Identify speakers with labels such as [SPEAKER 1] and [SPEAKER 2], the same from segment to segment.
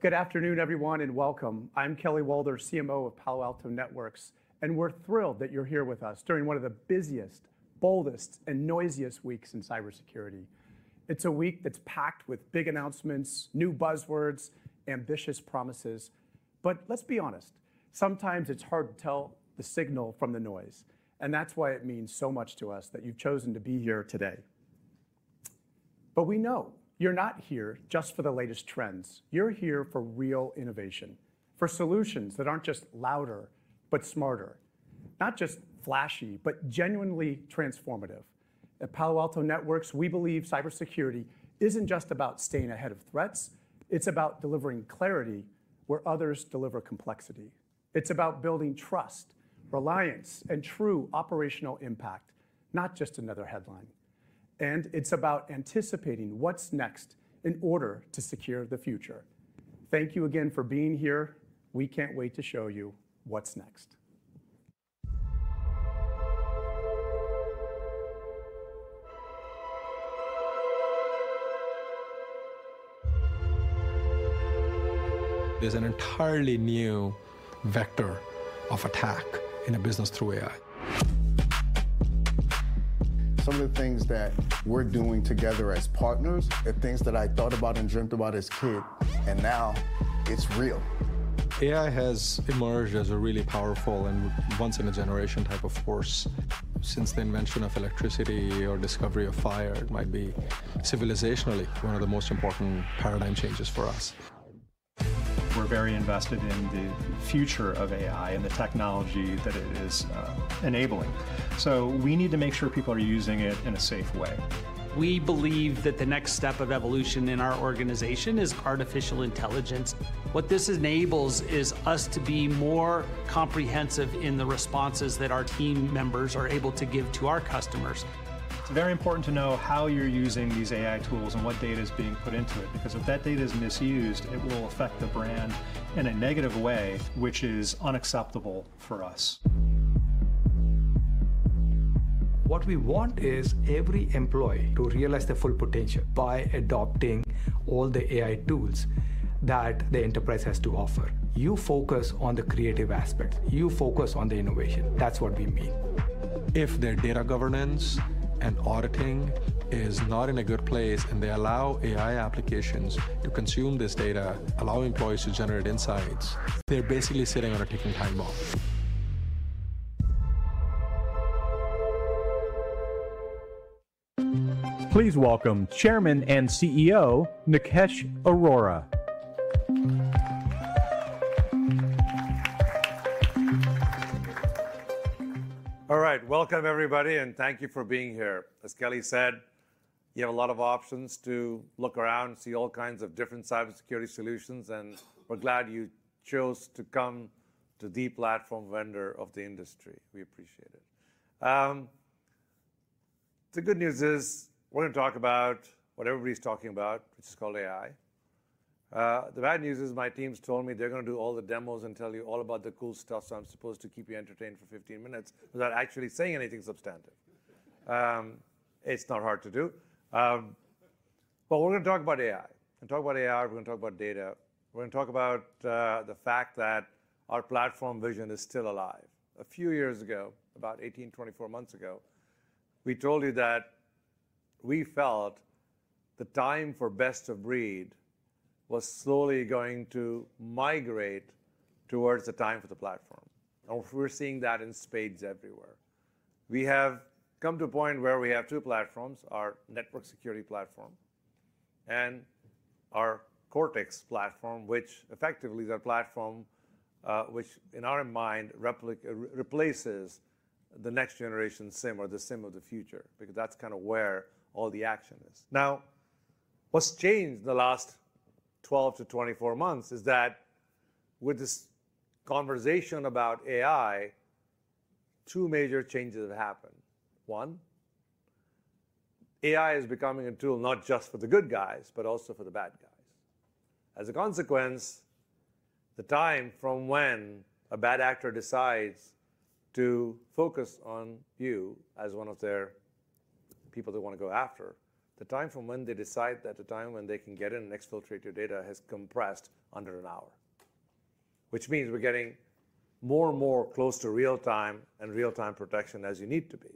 [SPEAKER 1] Good afternoon, everyone, and welcome. I'm Kelly Waldher, CMO of Palo Alto Networks, and we're thrilled that you're here with us during one of the busiest, boldest, and noisiest weeks in cybersecurity. It's a week that's packed with big announcements, new buzzwords, ambitious promises. Let's be honest, sometimes it's hard to tell the signal from the noise, and that's why it means so much to us that you've chosen to be here today. We know you're not here just for the latest trends. You're here for real innovation, for solutions that aren't just louder, but smarter. Not just flashy, but genuinely transformative. At Palo Alto Networks, we believe cybersecurity isn't just about staying ahead of threats. It's about delivering clarity where others deliver complexity. It's about building trust, reliance, and true operational impact, not just another headline. It is about anticipating what's next in order to secure the future. Thank you again for being here. We can't wait to show you what's next.
[SPEAKER 2] There's an entirely new vector of attack in a business through AI. Some of the things that we're doing together as partners are things that I thought about and dreamt about as a kid, and now it's real. AI has emerged as a really powerful and once-in-a-generation type of force. Since the invention of electricity or the discovery of fire, it might be civilizationally one of the most important paradigm changes for us. We're very invested in the future of AI and the technology that it is enabling. We need to make sure people are using it in a safe way. We believe that the next step of evolution in our organization is artificial intelligence. What this enables is us to be more comprehensive in the responses that our team members are able to give to our customers. It's very important to know how you're using these AI tools and what data is being put into it, because if that data is misused, it will affect the brand in a negative way, which is unacceptable for us. What we want is every employee to realize their full potential by adopting all the AI tools that the enterprise has to offer. You focus on the creative aspects. You focus on the innovation. That's what we mean. If their data governance and auditing is not in a good place, and they allow AI applications to consume this data, allow employees to generate insights, they're basically sitting on a ticking time bomb.
[SPEAKER 3] Please welcome Chairman and CEO Nikesh Arora.
[SPEAKER 4] All right, welcome, everybody, and thank you for being here. As Kelly said, you have a lot of options to look around, see all kinds of different cybersecurity solutions, and we're glad you chose to come to the platform vendor of the industry. We appreciate it. The good news is we're going to talk about what everybody's talking about, which is called AI. The bad news is my team's told me they're going to do all the demos and tell you all about the cool stuff, so I'm supposed to keep you entertained for 15 minutes without actually saying anything substantive. It's not hard to do. We're going to talk about AI. We're going to talk about AI. We're going to talk about data. We're going to talk about the fact that our platform vision is still alive. A few years ago, about 18, 24 months ago, we told you that we felt the time for best of breed was slowly going to migrate towards the time for the platform. We are seeing that in spades everywhere. We have come to a point where we have two platforms: our network security platform and our Cortex platform, which effectively is a platform which, in our mind, replaces the next generation SIEM or the SIEM of the future, because that is kind of where all the action is. Now, what has changed in the last 12 to 24 months is that with this conversation about AI, two major changes have happened. One, AI is becoming a tool not just for the good guys, but also for the bad guys. As a consequence, the time from when a bad actor decides to focus on you as one of their people they want to go after, the time from when they decide that the time when they can get in and exfiltrate your data has compressed under an hour, which means we're getting more and more close to real time and real time protection as you need to be.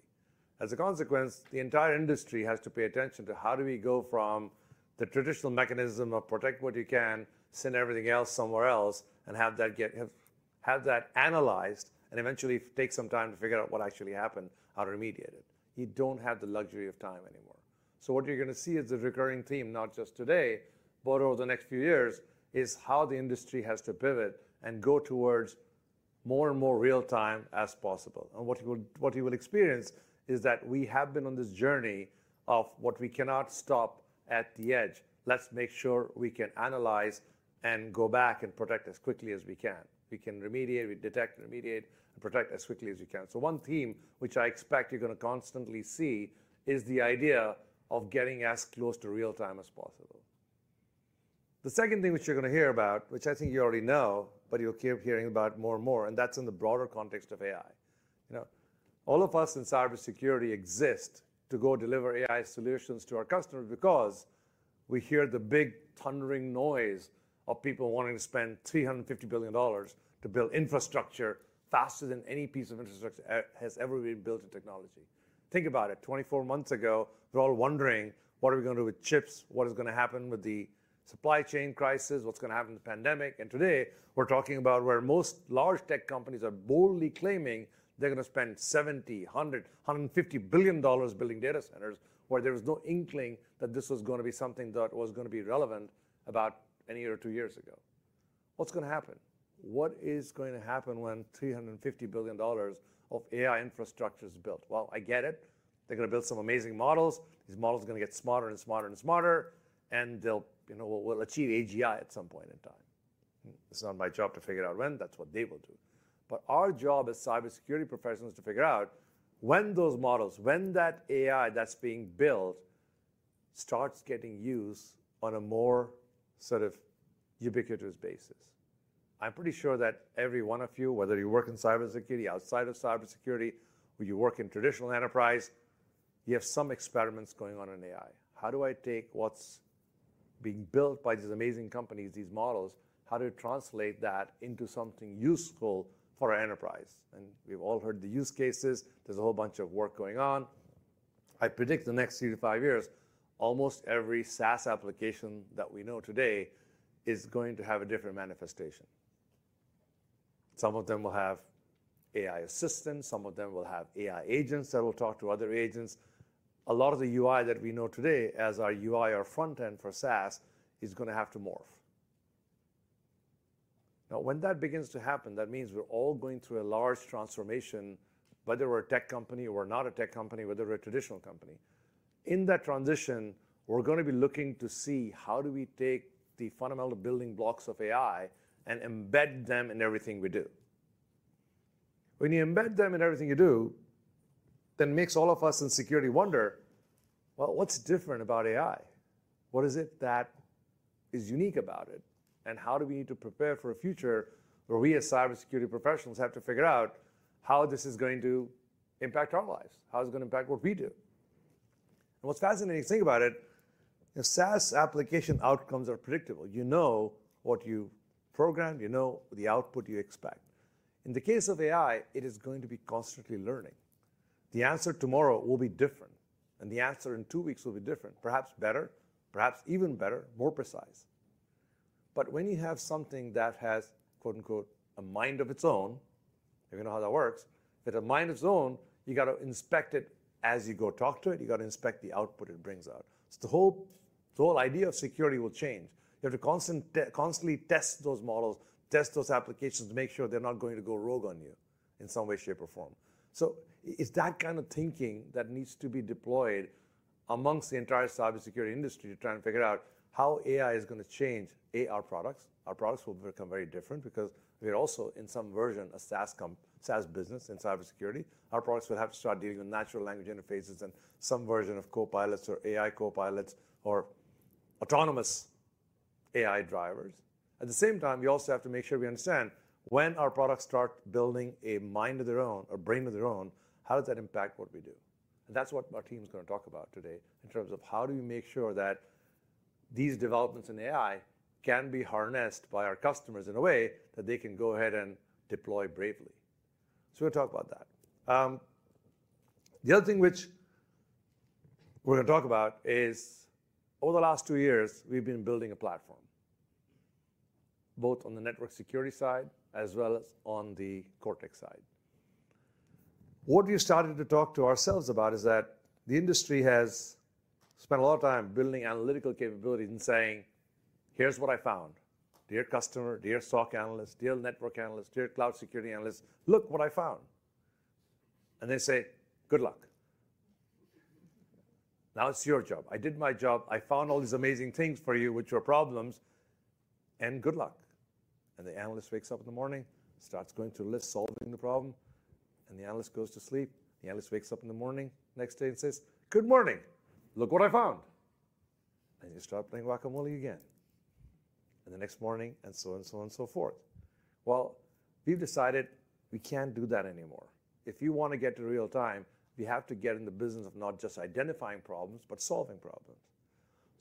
[SPEAKER 4] As a consequence, the entire industry has to pay attention to how do we go from the traditional mechanism of protect what you can, send everything else somewhere else, and have that analyzed, and eventually take some time to figure out what actually happened, how to remediate it. You don't have the luxury of time anymore. What you're going to see is a recurring theme, not just today, but over the next few years, is how the industry has to pivot and go towards more and more real time as possible. What you will experience is that we have been on this journey of what we cannot stop at the edge. Let's make sure we can analyze and go back and protect as quickly as we can. We can remediate, we detect, remediate, and protect as quickly as we can. One theme which I expect you're going to constantly see is the idea of getting as close to real time as possible. The second thing which you're going to hear about, which I think you already know, but you'll keep hearing about more and more, and that's in the broader context of AI. All of us in cybersecurity exist to go deliver AI solutions to our customers because we hear the big thundering noise of people wanting to spend $350 billion to build infrastructure faster than any piece of infrastructure has ever been built in technology. Think about it. Twenty-four months ago, we're all wondering, what are we going to do with chips? What is going to happen with the supply chain crisis? What is going to happen with the pandemic? Today, we're talking about where most large tech companies are boldly claiming they're going to spend $70 billion, $100 billion, $150 billion building data centers, where there was no inkling that this was going to be something that was going to be relevant about a year or two years ago. What is going to happen? What is going to happen when $350 billion of AI infrastructure is built? I get it. They're going to build some amazing models. These models are going to get smarter and smarter and smarter, and they'll achieve AGI at some point in time. It's not my job to figure out when. That's what they will do. Our job as cybersecurity professionals is to figure out when those models, when that AI that's being built starts getting used on a more sort of ubiquitous basis. I'm pretty sure that every one of you, whether you work in cybersecurity, outside of cybersecurity, or you work in traditional enterprise, you have some experiments going on in AI. How do I take what's being built by these amazing companies, these models, how do I translate that into something useful for our enterprise? We've all heard the use cases. There's a whole bunch of work going on. I predict the next three to five years, almost every SaaS application that we know today is going to have a different manifestation. Some of them will have AI assistants. Some of them will have AI agents that will talk to other agents. A lot of the UI that we know today as our UI or front end for SaaS is going to have to morph. Now, when that begins to happen, that means we're all going through a large transformation, whether we're a tech company or we're not a tech company, whether we're a traditional company. In that transition, we're going to be looking to see how do we take the fundamental building blocks of AI and embed them in everything we do. When you embed them in everything you do, that makes all of us in security wonder, well, what's different about AI? What is it that is unique about it? How do we need to prepare for a future where we as cybersecurity professionals have to figure out how this is going to impact our lives? How is it going to impact what we do? What's fascinating is, think about it. If SaaS application outcomes are predictable, you know what you program. You know the output you expect. In the case of AI, it is going to be constantly learning. The answer tomorrow will be different, and the answer in two weeks will be different, perhaps better, perhaps even better, more precise. When you have something that has, quote unquote, a mind of its own, you know how that works. If it has a mind of its own, you got to inspect it as you go talk to it. You got to inspect the output it brings out. The whole idea of security will change. You have to constantly test those models, test those applications, make sure they're not going to go rogue on you in some way, shape, or form. It's that kind of thinking that needs to be deployed amongst the entire cybersecurity industry to try and figure out how AI is going to change our products. Our products will become very different because we're also in some version a SaaS business in cybersecurity. Our products will have to start dealing with natural language interfaces and some version of copilots or AI copilots or autonomous AI drivers. At the same time, we also have to make sure we understand when our products start building a mind of their own or brain of their own, how does that impact what we do? That is what our team is going to talk about today in terms of how do we make sure that these developments in AI can be harnessed by our customers in a way that they can go ahead and deploy bravely. We are going to talk about that. The other thing which we are going to talk about is over the last two years, we have been building a platform both on the network security side as well as on the Cortex side. What we have started to talk to ourselves about is that the industry has spent a lot of time building analytical capabilities and saying, here is what I found. Dear customer, dear SOC analyst, dear network analyst, dear cloud security analyst, look what I found. They say, good luck. Now it is your job. I did my job. I found all these amazing things for you with your problems. Good luck. The analyst wakes up in the morning, starts going through the list, solving the problem. The analyst goes to sleep. The analyst wakes up in the morning the next day and says, good morning. Look what I found. You start playing whack-a-moley again the next morning, and so on and so forth. We have decided we cannot do that anymore. If you want to get to real time, you have to get in the business of not just identifying problems, but solving problems.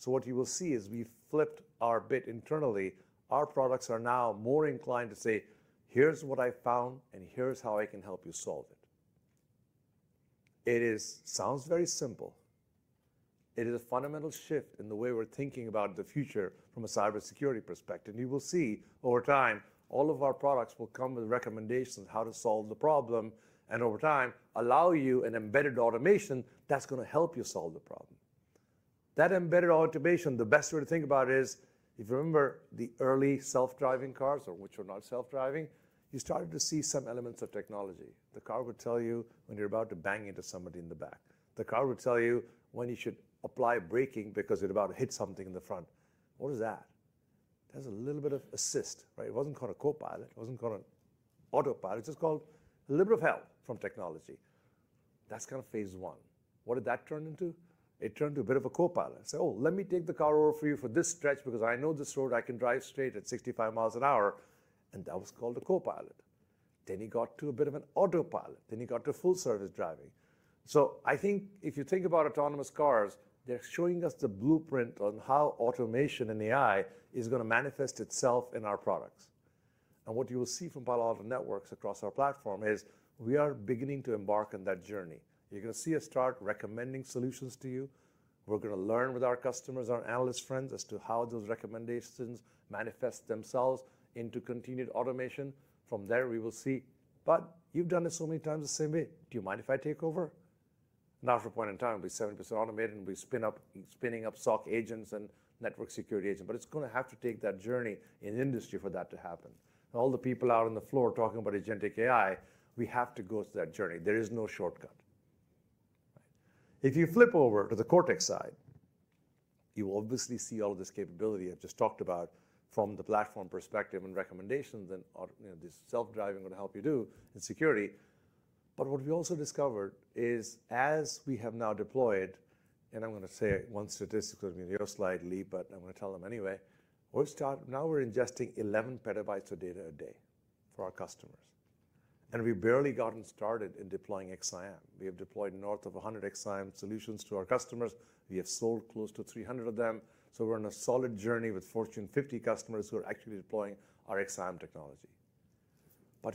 [SPEAKER 4] What you will see is we have flipped our bit internally. Our products are now more inclined to say, here is what I found, and here is how I can help you solve it. It sounds very simple. It is a fundamental shift in the way we are thinking about the future from a cybersecurity perspective. You will see over time, all of our products will come with recommendations on how to solve the problem and over time allow you an embedded automation that's going to help you solve the problem. That embedded automation, the best way to think about it is if you remember the early self-driving cars, which were not self-driving, you started to see some elements of technology. The car would tell you when you're about to bang into somebody in the back. The car would tell you when you should apply braking because you're about to hit something in the front. What is that? That's a little bit of assist, right? It wasn't called a copilot. It wasn't called an autopilot. It's just called a little bit of help from technology. That's kind of phase one. What did that turn into? It turned into a bit of a copilot. It said, oh, let me take the car over for you for this stretch because I know this road, I can drive straight at 65 miles an hour. That was called a copilot. You got to a bit of an autopilot. You got to full service driving. I think if you think about autonomous cars, they're showing us the blueprint on how automation and AI is going to manifest itself in our products. What you will see from Palo Alto Networks across our platform is we are beginning to embark on that journey. You're going to see us start recommending solutions to you. We're going to learn with our customers, our analyst friends as to how those recommendations manifest themselves into continued automation. From there, we will see. You've done it so many times the same way. Do you mind if I take over? Now, for a point in time, we'll be 70% automated, and we'll be spinning up SOC agents and network security agents. It is going to have to take that journey in the industry for that to happen. All the people out on the floor talking about agentic AI, we have to go through that journey. There is no shortcut. If you flip over to the Cortex side, you will obviously see all of this capability I have just talked about from the platform perspective and recommendations and this self-driving going to help you do in security. What we also discovered is as we have now deployed, and I am going to say one statistic in your slide, Lee, but I am going to tell them anyway. We have started now we are ingesting 11 petabytes of data a day for our customers. We have barely gotten started in deploying XSIAM. We have deployed north of 100 XSIAM solutions to our customers. We have sold close to 300 of them. We're on a solid journey with Fortune 50 customers who are actually deploying our XSIAM technology.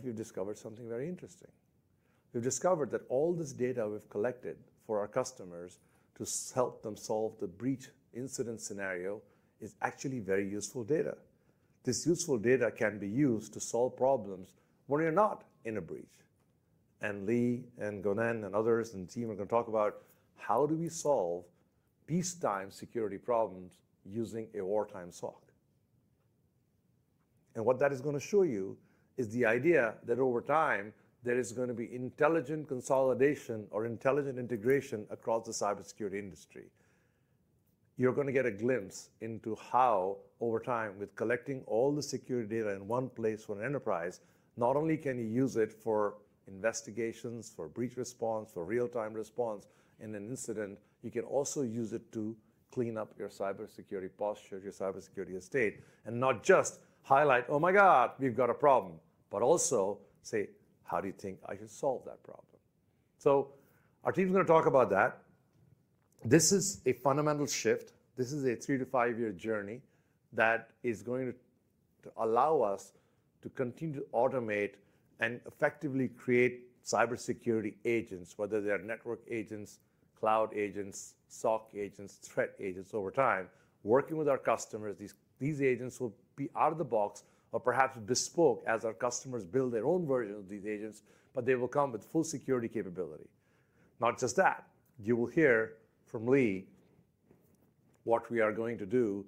[SPEAKER 4] We've discovered something very interesting. We've discovered that all this data we've collected for our customers to help them solve the breach incident scenario is actually very useful data. This useful data can be used to solve problems when you're not in a breach. Lee and [gonen and others and the team are going to talk about how do we solve peacetime security problems using a wartime SOC. What that is going to show you is the idea that over time, there is going to be intelligent consolidation or intelligent integration across the cybersecurity industry. You're going to get a glimpse into how over time, with collecting all the security data in one place for an enterprise, not only can you use it for investigations, for breach response, for real-time response in an incident, you can also use it to clean up your cybersecurity posture, your cybersecurity estate, and not just highlight, oh my God, we've got a problem, but also say, how do you think I should solve that problem? Our team is going to talk about that. This is a fundamental shift. This is a three to five-year journey that is going to allow us to continue to automate and effectively create cybersecurity agents, whether they are network agents, cloud agents, SOC agents, threat agents over time, working with our customers. These agents will be out of the box or perhaps bespoke as our customers build their own version of these agents, but they will come with full security capability. Not just that. You will hear from Lee what we are going to do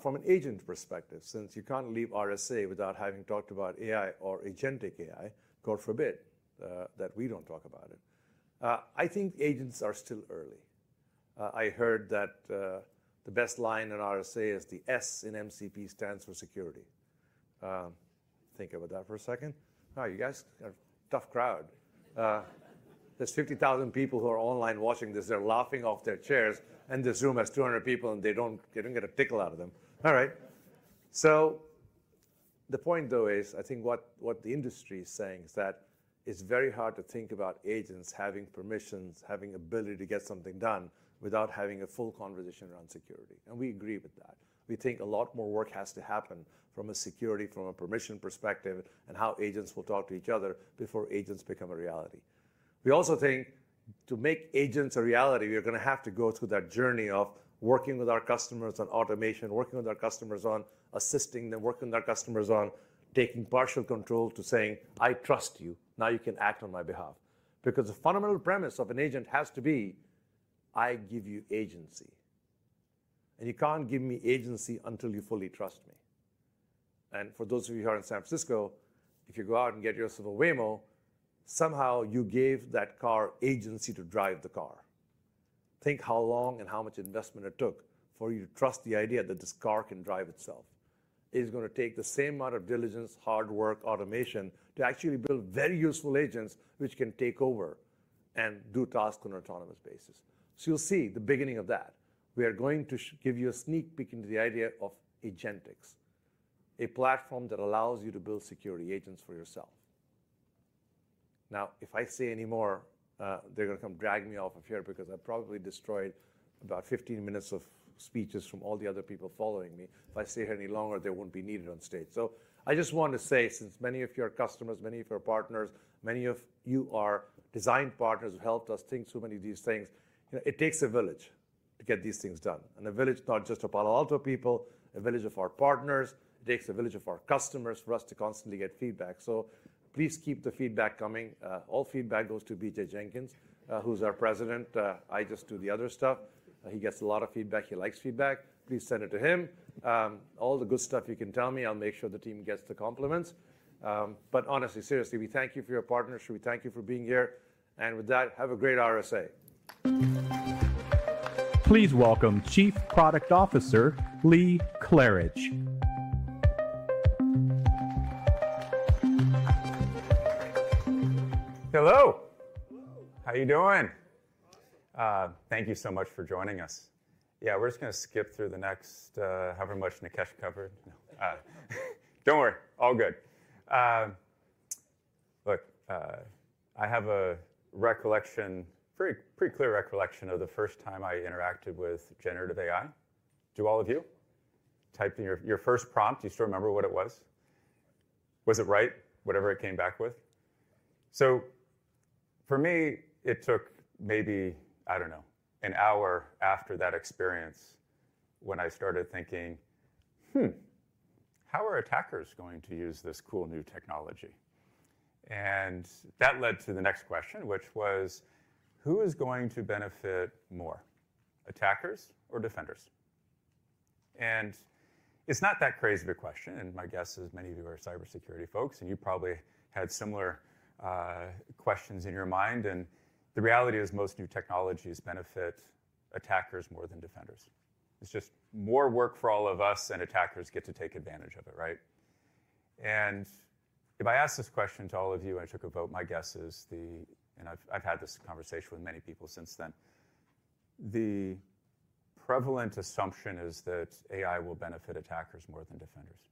[SPEAKER 4] from an agent perspective, since you can't leave RSA without having talked about AI or agentic AI, God forbid that we don't talk about it. I think agents are still early. I heard that the best line in RSA is the S in MCP stands for security. Think about that for a second. Oh, you guys are a tough crowd. There are 50,000 people who are online watching this. They're laughing off their chairs. And this room has 200 people, and they don't get a tickle out of them. All right. The point, though, is I think what the industry is saying is that it's very hard to think about agents having permissions, having ability to get something done without having a full conversation around security. We agree with that. We think a lot more work has to happen from a security, from a permission perspective, and how agents will talk to each other before agents become a reality. We also think to make agents a reality, we are going to have to go through that journey of working with our customers on automation, working with our customers on assisting them, working with our customers on taking partial control to saying, I trust you. Now you can act on my behalf. Because the fundamental premise of an agent has to be, I give you agency. And you can't give me agency until you fully trust me. For those of you here in San Francisco, if you go out and get yourself a Waymo, somehow you gave that car agency to drive the car. Think how long and how much investment it took for you to trust the idea that this car can drive itself. It is going to take the same amount of diligence, hard work, automation to actually build very useful agents which can take over and do tasks on an autonomous basis. You'll see the beginning of that. We are going to give you a sneak peek into the idea of Agentics, a platform that allows you to build security agents for yourself. Now, if I say any more, they're going to come drag me off of here because I probably destroyed about 15 minutes of speeches from all the other people following me. If I stay here any longer, they won't be needed on stage. I just want to say, since many of you are customers, many of you are partners, many of you are design partners who helped us think through many of these things, it takes a village to get these things done. A village, not just of Palo Alto people, a village of our partners. It takes a village of our customers for us to constantly get feedback. Please keep the feedback coming. All feedback goes to B.J. Jenkins, who's our President. I just do the other stuff. He gets a lot of feedback. He likes feedback. Please send it to him. All the good stuff you can tell me. I'll make sure the team gets the compliments. Honestly, seriously, we thank you for your partnership. We thank you for being here. With that, have a great RSA.
[SPEAKER 3] Please welcome Chief Product Officer Lee Klarich.
[SPEAKER 5] Hello. How are you doing? Thank you so much for joining us. Yeah, we're just going to skip through the next however much Nikesh covered. Do not worry. All good. Look, I have a recollection, pretty clear recollection of the first time I interacted with generative AI. Do all of you? Typed in your first prompt, you still remember what it was? Was it right, whatever it came back with? For me, it took maybe, I do not know, an hour after that experience when I started thinking, how are attackers going to use this cool new technology? That led to the next question, which was, who is going to benefit more, attackers or defenders? It is not that crazy of a question. My guess is many of you are cybersecurity folks, and you probably had similar questions in your mind. The reality is most new technologies benefit attackers more than defenders. It is just more work for all of us, and attackers get to take advantage of it, right? If I ask this question to all of you and I took a vote, my guess is, and I have had this conversation with many people since then, the prevalent assumption is that AI will benefit attackers more than defenders.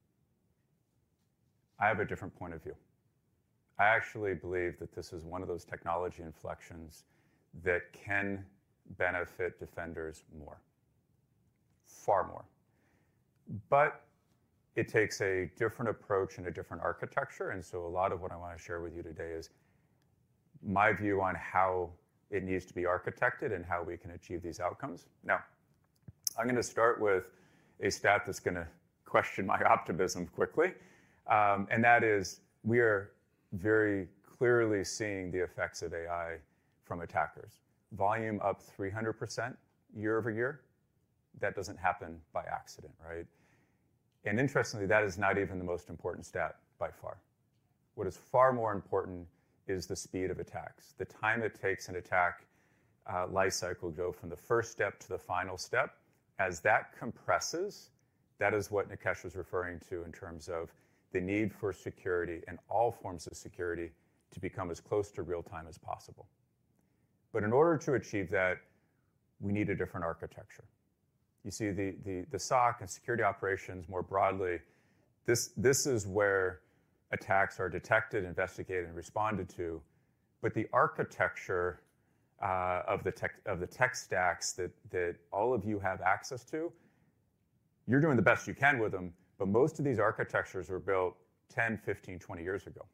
[SPEAKER 5] I have a different point of view. I actually believe that this is one of those technology inflections that can benefit defenders more, far more. It takes a different approach and a different architecture. A lot of what I want to share with you today is my view on how it needs to be architected and how we can achieve these outcomes. Now, I'm going to start with a stat that's going to question my optimism quickly. That is we are very clearly seeing the effects of AI from attackers. Volume up 300% year over year. That doesn't happen by accident, right? Interestingly, that is not even the most important stat by far. What is far more important is the speed of attacks, the time it takes an attack lifecycle to go from the first step to the final step. As that compresses, that is what Nikesh was referring to in terms of the need for security and all forms of security to become as close to real time as possible. In order to achieve that, we need a different architecture. You see the SOC and security operations more broadly, this is where attacks are detected, investigated, and responded to. The architecture of the tech stacks that all of you have access to, you're doing the best you can with them, but most of these architectures were built 10, 15, 20 years ago.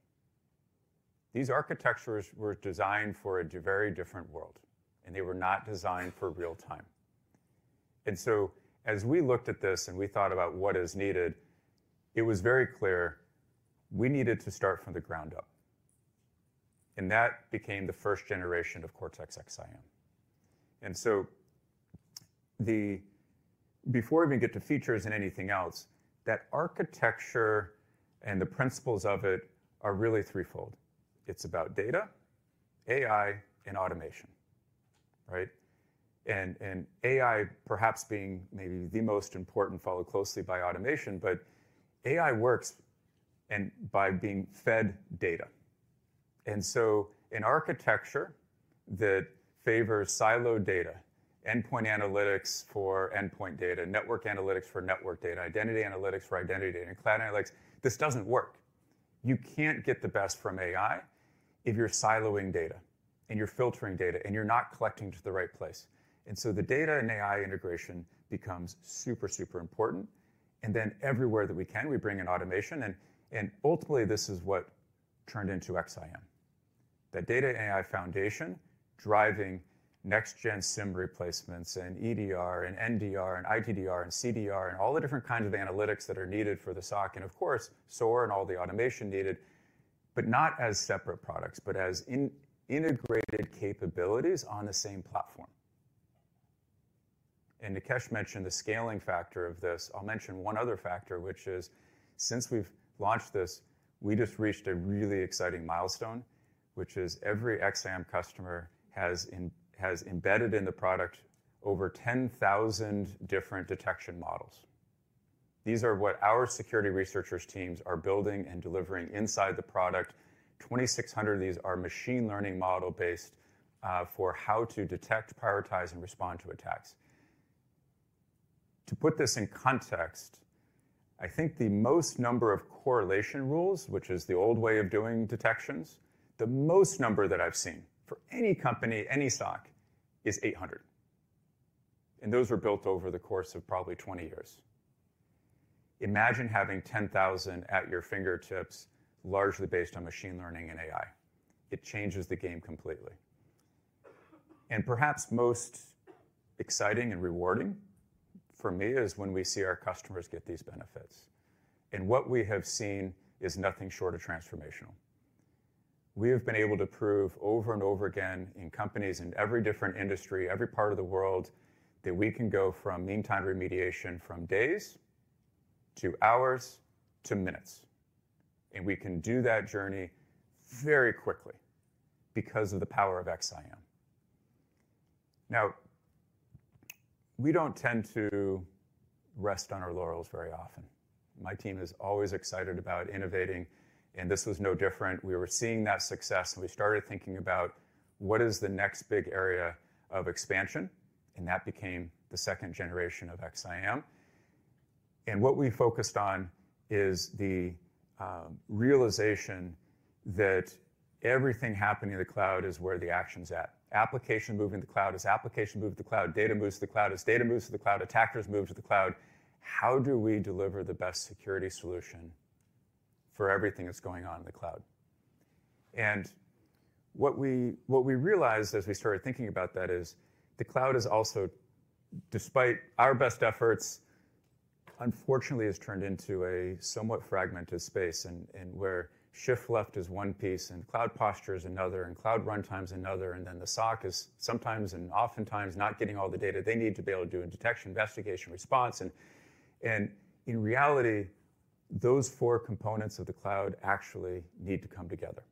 [SPEAKER 5] These architectures were designed for a very different world, and they were not designed for real time. As we looked at this and we thought about what is needed, it was very clear we needed to start from the ground up. That became the first generation of Cortex XDR. Before we even get to features and anything else, that architecture and the principles of it are really threefold. It's about data, AI, and automation, right? AI perhaps being maybe the most important followed closely by automation, but AI works by being fed data. An architecture that favors siloed data, endpoint analytics for endpoint data, network analytics for network data, identity analytics for identity, and cloud analytics, this does not work. You cannot get the best from AI if you are siloing data and you are filtering data and you are not collecting to the right place. The data and AI integration becomes super, super important. Everywhere that we can, we bring in automation. Ultimately, this is what turned into XDR, that data and AI foundation driving next-gen SIEM replacements and EDR and NDR and ITDR and CDR and all the different kinds of analytics that are needed for the SOC and, of course, SOAR and all the automation needed, but not as separate products, but as integrated capabilities on the same platform. Nikesh mentioned the scaling factor of this. I'll mention one other factor, which is since we've launched this, we just reached a really exciting milestone, which is every XDR customer has embedded in the product over 10,000 different detection models. These are what our security researchers' teams are building and delivering inside the product. 2,600 of these are machine learning model-based for how to detect, prioritize, and respond to attacks. To put this in context, I think the most number of correlation rules, which is the old way of doing detections, the most number that I've seen for any company, any SOC, is 800. And those were built over the course of probably 20 years. Imagine having 10,000 at your fingertips, largely based on machine learning and AI. It changes the game completely. Perhaps most exciting and rewarding for me is when we see our customers get these benefits. What we have seen is nothing short of transformational. We have been able to prove over and over again in companies in every different industry, every part of the world, that we can go from meantime remediation from days to hours to minutes. We can do that journey very quickly because of the power of XSIAM. Now, we do not tend to rest on our laurels very often. My team is always excited about innovating. This was no different. We were seeing that success. We started thinking about what is the next big area of expansion. That became the second generation of XDR. What we focused on is the realization that everything happening in the cloud is where the action's at. Application moving to the cloud is application moving to the cloud. Data moves to the cloud is data moves to the cloud. Attackers move to the cloud. How do we deliver the best security solution for everything that's going on in the cloud? What we realized as we started thinking about that is the cloud is also, despite our best efforts, unfortunately, has turned into a somewhat fragmented space where shift left is one piece and cloud posture is another and cloud runtime is another. The SOC is sometimes and oftentimes not getting all the data they need to be able to do in detection, investigation, response. In reality, those four components of the cloud actually need to come together.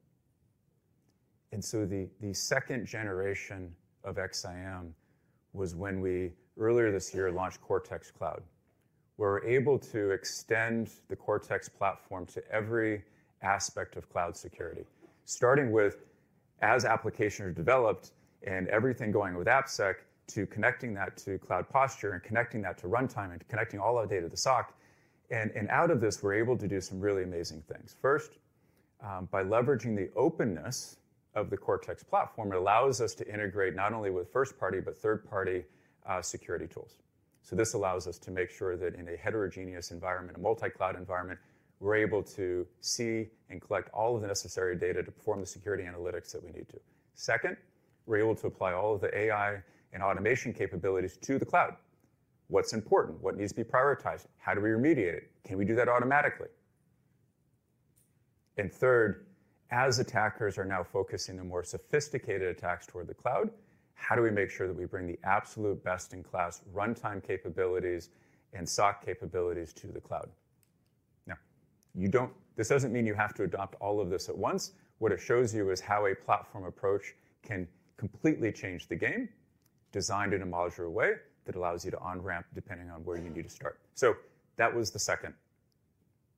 [SPEAKER 5] The second generation of XSIASM was when we, earlier this year, launched Cortex Cloud, where we're able to extend the Cortex platform to every aspect of cloud security, starting with, as applications are developed and everything going with AppSec, to connecting that to cloud posture and connecting that to runtime and connecting all our data to the SOC. Out of this, we're able to do some really amazing things. First, by leveraging the openness of the Cortex platform, it allows us to integrate not only with first-party but third-party security tools. This allows us to make sure that in a heterogeneous environment, a multi-cloud environment, we're able to see and collect all of the necessary data to perform the security analytics that we need to. Second, we're able to apply all of the AI and automation capabilities to the cloud. What's important? What needs to be prioritized? How do we remediate it? Can we do that automatically? Third, as attackers are now focusing on more sophisticated attacks toward the cloud, how do we make sure that we bring the absolute best in class runtime capabilities and SOC capabilities to the cloud? This doesn't mean you have to adopt all of this at once. What it shows you is how a platform approach can completely change the game, designed in a modular way that allows you to on-ramp depending on where you need to start. That was the second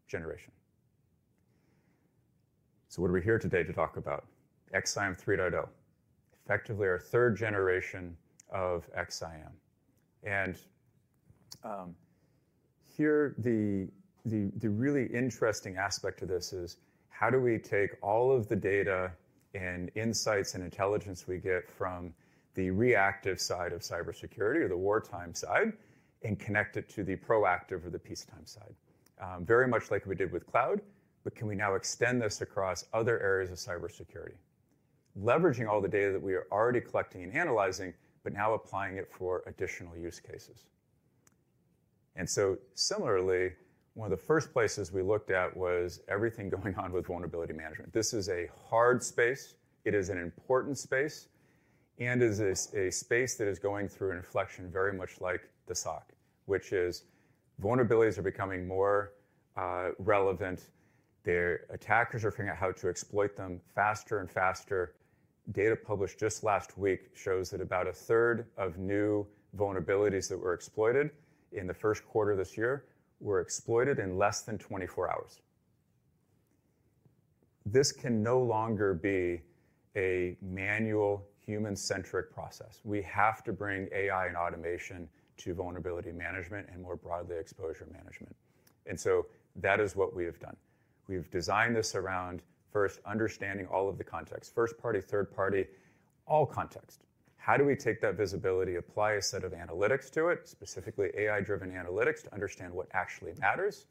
[SPEAKER 5] generation. What are we here today to talk about? XSIAM 3.0, effectively our third generation of XSIAM. Here, the really interesting aspect of this is how do we take all of the data and insights and intelligence we get from the reactive side of cybersecurity or the wartime side and connect it to the proactive or the peacetime side, very much like we did with cloud, but can we now extend this across other areas of cybersecurity, leveraging all the data that we are already collecting and analyzing, but now applying it for additional use cases? Similarly, one of the first places we looked at was everything going on with vulnerability management. This is a hard space. It is an important space. It is a space that is going through an inflection very much like the SOC, which is vulnerabilities are becoming more relevant. The attackers are figuring out how to exploit them faster and faster. Data published just last week shows that about a third of new vulnerabilities that were exploited in the first quarter of this year were exploited in less than 24 hours. This can no longer be a manual, human-centric process. We have to bring AI and automation to vulnerability management and more broadly exposure management. That is what we have done. We've designed this around first understanding all of the context, first-party, third-party, all context. How do we take that visibility, apply a set of analytics to it, specifically AI-driven analytics to understand what actually matters?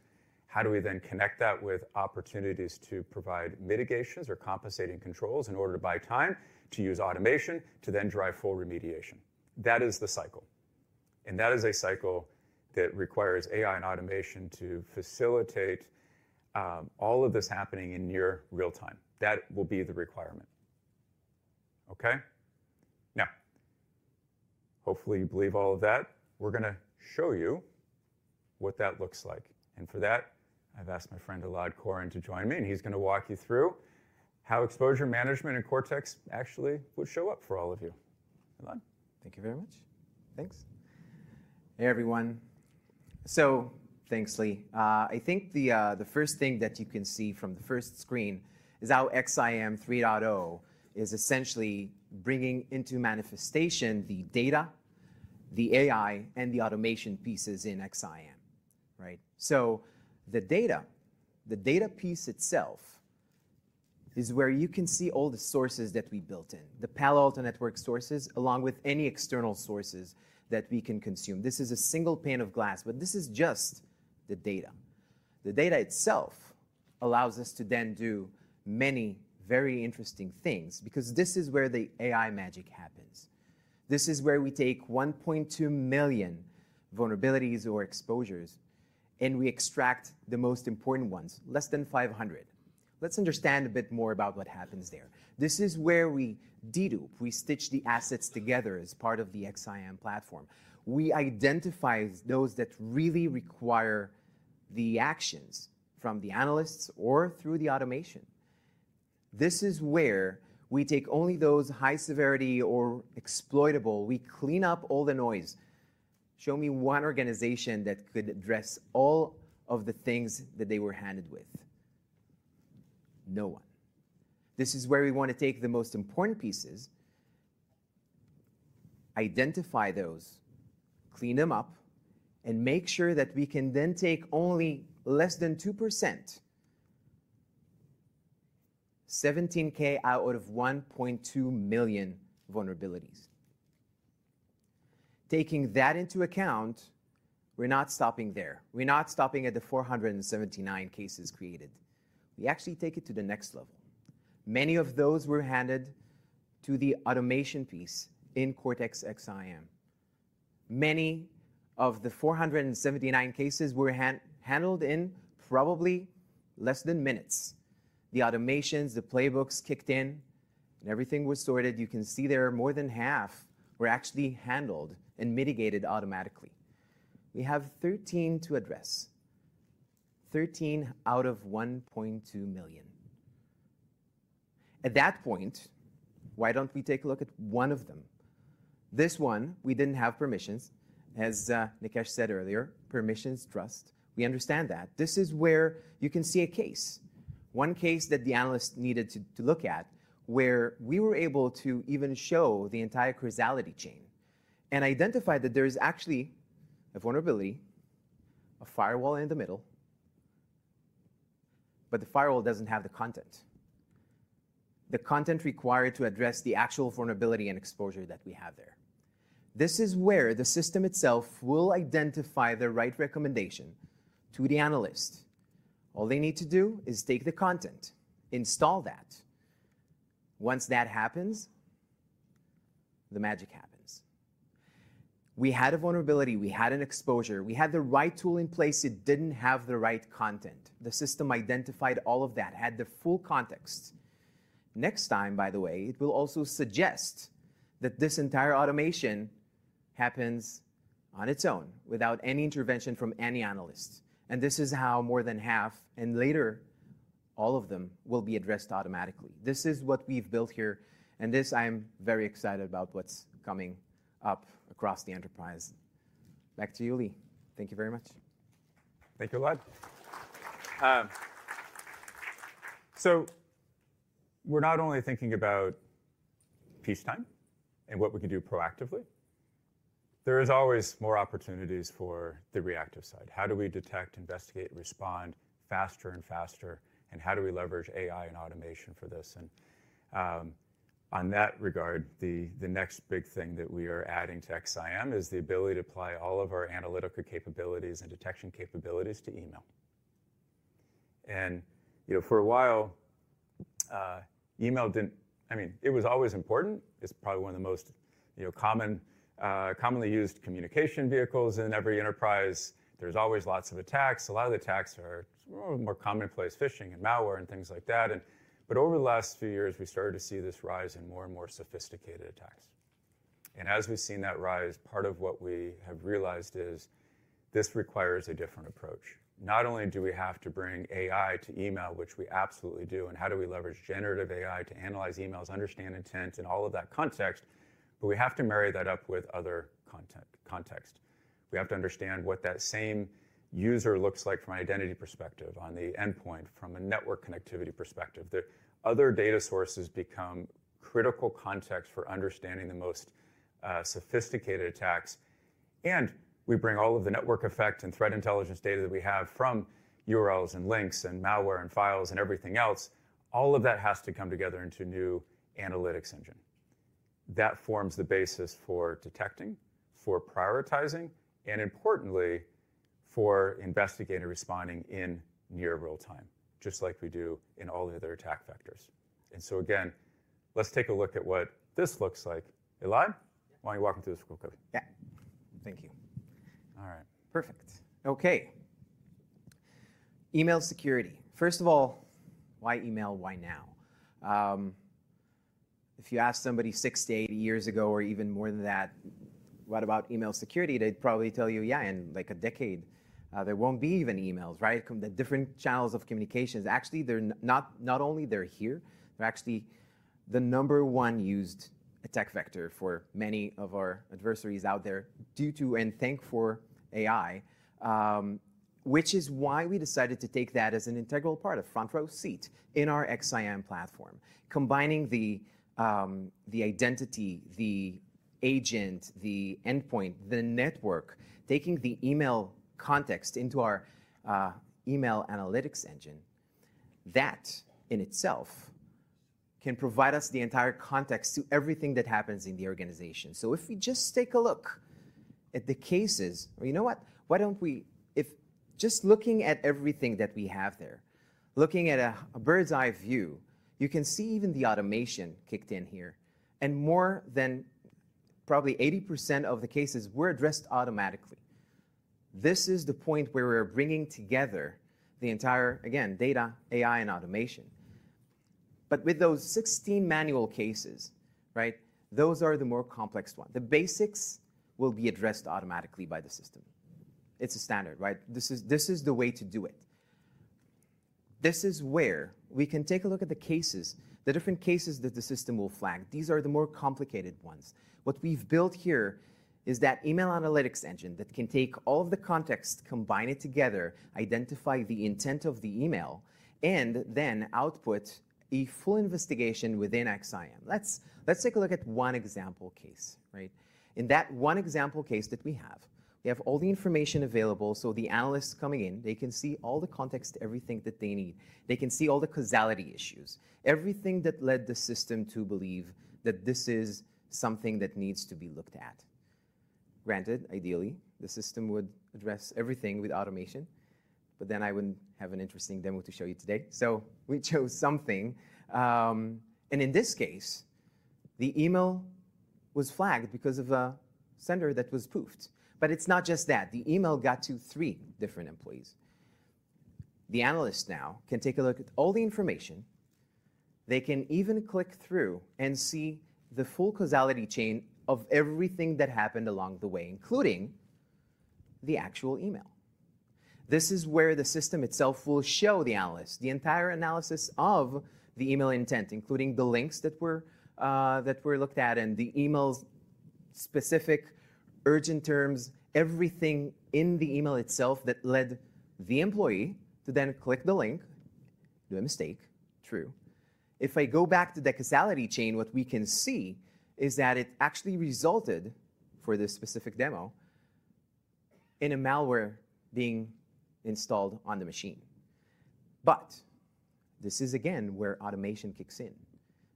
[SPEAKER 5] How do we then connect that with opportunities to provide mitigations or compensating controls in order to buy time, to use automation, to then drive full remediation? That is the cycle. That is a cycle that requires AI and automation to facilitate all of this happening in near real time. That will be the requirement. Okay? Now, hopefully, you believe all of that. We're going to show you what that looks like. For that, I've asked my friend Elad Koren to join me, and he's going to walk you through how exposure management and Cortex actually would show up for all of you. Elad, thank you very much.
[SPEAKER 6] Thanks. Hey, everyone. Thanks, Lee. I think the first thing that you can see from the first screen is how XSIAM 3.0 is essentially bringing into manifestation the data, the AI, and the automation pieces in XSIAM, right? The data, the data piece itself is where you can see all the sources that we built in, the Palo Alto Networks sources, along with any external sources that we can consume. This is a single pane of glass, but this is just the data. The data itself allows us to then do many very interesting things because this is where the AI magic happens. This is where we take 1.2 million vulnerabilities or exposures, and we extract the most important ones, less than 500. Let's understand a bit more about what happens there. This is where we dedupe. We stitch the assets together as part of the XSIAM platform. We identify those that really require the actions from the analysts or through the automation. This is where we take only those high severity or exploitable. We clean up all the noise. Show me one organization that could address all of the things that they were handed with. No one. This is where we want to take the most important pieces, identify those, clean them up, and make sure that we can then take only less than 2%, 17,000 out of 1.2 million vulnerabilities. Taking that into account, we're not stopping there. We're not stopping at the 479 cases created. We actually take it to the next level. Many of those were handed to the automation piece in Cortex XDR. Many of the 479 cases were handled in probably less than minutes. The automations, the playbooks kicked in, and everything was sorted. You can see there are more than half were actually handled and mitigated automatically. We have 13 to address, 13 out of 1.2 million. At that point, why don't we take a look at one of them? This one, we did not have permissions, as Nikesh said earlier, permissions, trust. We understand that. This is where you can see a case, one case that the analyst needed to look at where we were able to even show the entire causality chain and identify that there is actually a vulnerability, a firewall in the middle, but the firewall does not have the content, the content required to address the actual vulnerability and exposure that we have there. This is where the system itself will identify the right recommendation to the analyst. All they need to do is take the content, install that. Once that happens, the magic happens. We had a vulnerability. We had an exposure. We had the right tool in place. It did not have the right content. The system identified all of that, had the full context. Next time, by the way, it will also suggest that this entire automation happens on its own without any intervention from any analyst. This is how more than half, and later all of them, will be addressed automatically. This is what we've built here. I'm very excited about what's coming up across the enterprise. Back to you, Lee. Thank you very much.
[SPEAKER 5] Thank you, Elad. We are not only thinking about peacetime and what we can do proactively. There are always more opportunities for the reactive side. How do we detect, investigate, respond faster and faster? How do we leverage AI and automation for this? On that regard, the next big thing that we are adding to XSIAM is the ability to apply all of our analytical capabilities and detection capabilities to email. For a while, email didn't—I mean, it was always important. It's probably one of the most commonly used communication vehicles in every enterprise. There's always lots of attacks. A lot of the attacks are more commonplace phishing and malware and things like that. Over the last few years, we started to see this rise in more and more sophisticated attacks. As we've seen that rise, part of what we have realized is this requires a different approach. Not only do we have to bring AI to email, which we absolutely do, and how do we leverage generative AI to analyze emails, understand intent, and all of that context, but we have to marry that up with other content. We have to understand what that same user looks like from an identity perspective, on the endpoint, from a network connectivity perspective. The other data sources become critical context for understanding the most sophisticated attacks. We bring all of the network effect and threat intelligence data that we have from URLs and links and malware and files and everything else. All of that has to come together into a new analytics engine. That forms the basis for detecting, for prioritizing, and importantly, for investigating and responding in near real time, just like we do in all the other attack vectors. Again, let's take a look at what this looks like. Elad, why don't you walk me through this real quick?
[SPEAKER 6] Yeah. Thank you. All right. Perfect. Okay. Email security. First of all, why email? Why now? If you ask somebody six to eight years ago or even more than that, what about email security? They'd probably tell you, yeah, in like a decade, there won't be even emails, right? The different channels of communications, actually, they're not only here, they're actually the number one used attack vector for many of our adversaries out there due to, and thankfully, AI, which is why we decided to take that as an integral part of Front Row Seat in our XSIAM platform, combining the identity, the agent, the endpoint, the network, taking the email context into our email analytics engine. That in itself can provide us the entire context to everything that happens in the organization. If we just take a look at the cases, or you know what? Why don't we, if just looking at everything that we have there, looking at a bird's eye view, you can see even the automation kicked in here. More than probably 80% of the cases were addressed automatically. This is the point where we're bringing together the entire, again, data, AI, and automation. With those 16 manual cases, right, those are the more complex ones. The basics will be addressed automatically by the system. It's a standard, right? This is the way to do it. This is where we can take a look at the cases, the different cases that the system will flag. These are the more complicated ones. What we've built here is that email analytics engine that can take all of the context, combine it together, identify the intent of the email, and then output a full investigation within XSIAM. Let's take a look at one example case, right? In that one example case that we have, we have all the information available. So the analysts coming in, they can see all the context, everything that they need. They can see all the causality issues, everything that led the system to believe that this is something that needs to be looked at. Granted, ideally, the system would address everything with automation, but then I would not have an interesting demo to show you today. We chose something. In this case, the email was flagged because of a sender that was spoofed. It is not just that. The email got to three different employees. The analyst now can take a look at all the information. They can even click through and see the full causality chain of everything that happened along the way, including the actual email. This is where the system itself will show the analyst the entire analysis of the email intent, including the links that were looked at and the email's specific urgent terms, everything in the email itself that led the employee to then click the link, do a mistake, true. If I go back to the causality chain, what we can see is that it actually resulted, for this specific demo, in a malware being installed on the machine. This is, again, where automation kicks in.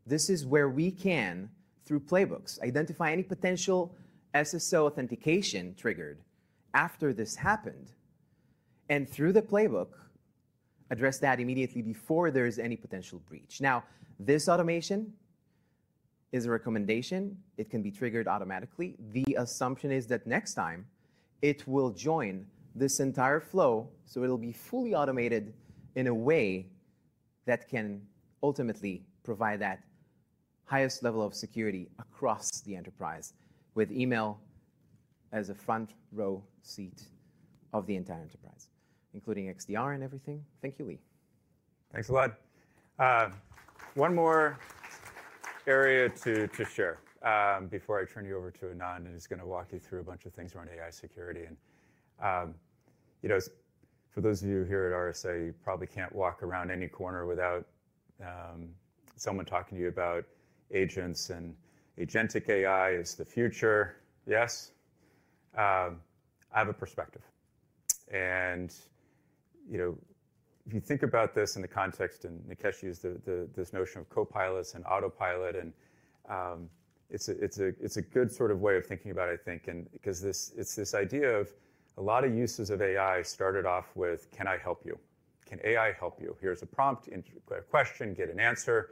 [SPEAKER 6] This is where we can, through playbooks, identify any potential SSO authentication triggered after this happened and, through the playbook, address that immediately before there is any potential breach. Now, this automation is a recommendation. It can be triggered automatically. The assumption is that next time, it will join this entire flow. It'll be fully automated in a way that can ultimately provide that highest level of security across the enterprise, with email as a front row seat of the entire enterprise, including XDR and everything. Thank you, Lee.
[SPEAKER 5] Thanks, Elad. One more area to share before I turn you over to Anand, and he's going to walk you through a bunch of things around AI security. For those of you here at RSA, you probably can't walk around any corner without someone talking to you about agents and agentic AI is the future. Yes? I have a perspective. If you think about this in the context, and Nikesh used this notion of co-pilots and autopilot, and it's a good sort of way of thinking about it, I think, because it's this idea of a lot of uses of AI started off with, can I help you? Can AI help you? Here's a prompt, a question, get an answer.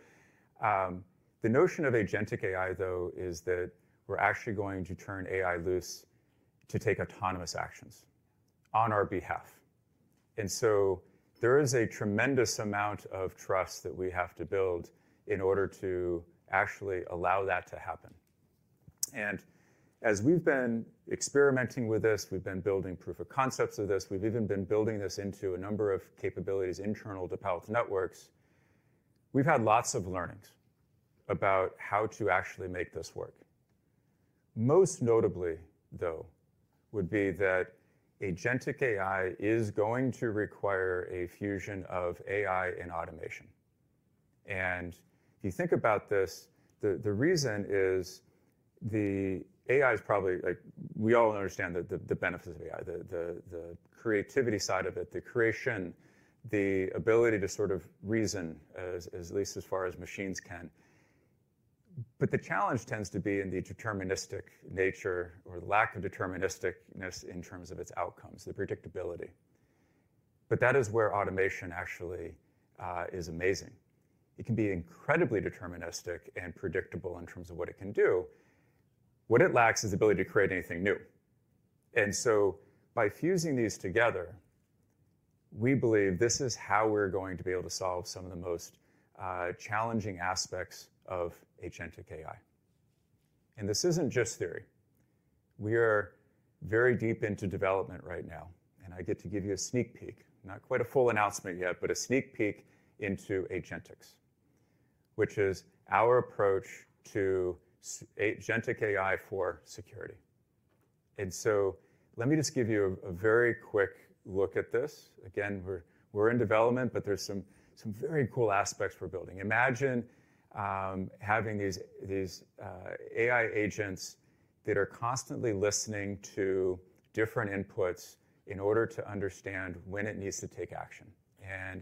[SPEAKER 5] The notion of agentic AI, though, is that we're actually going to turn AI loose to take autonomous actions on our behalf. There is a tremendous amount of trust that we have to build in order to actually allow that to happen. As we've been experimenting with this, we've been building proof of concepts of this. We've even been building this into a number of capabilities internal to Palo Alto Networks. We've had lots of learnings about how to actually make this work. Most notably, though, would be that agentic AI is going to require a fusion of AI and automation. If you think about this, the reason is the AI is probably like we all understand the benefits of AI, the creativity side of it, the creation, the ability to sort of reason, at least as far as machines can. The challenge tends to be in the deterministic nature or the lack of deterministicness in terms of its outcomes, the predictability. That is where automation actually is amazing. It can be incredibly deterministic and predictable in terms of what it can do. What it lacks is the ability to create anything new. By fusing these together, we believe this is how we're going to be able to solve some of the most challenging aspects of agentic AI. This isn't just theory. We are very deep into development right now. I get to give you a sneak peek, not quite a full announcement yet, but a sneak peek into Agentics, which is our approach to agentic AI for security. Let me just give you a very quick look at this. We're in development, but there's some very cool aspects we're building. Imagine having these AI agents that are constantly listening to different inputs in order to understand when it needs to take action.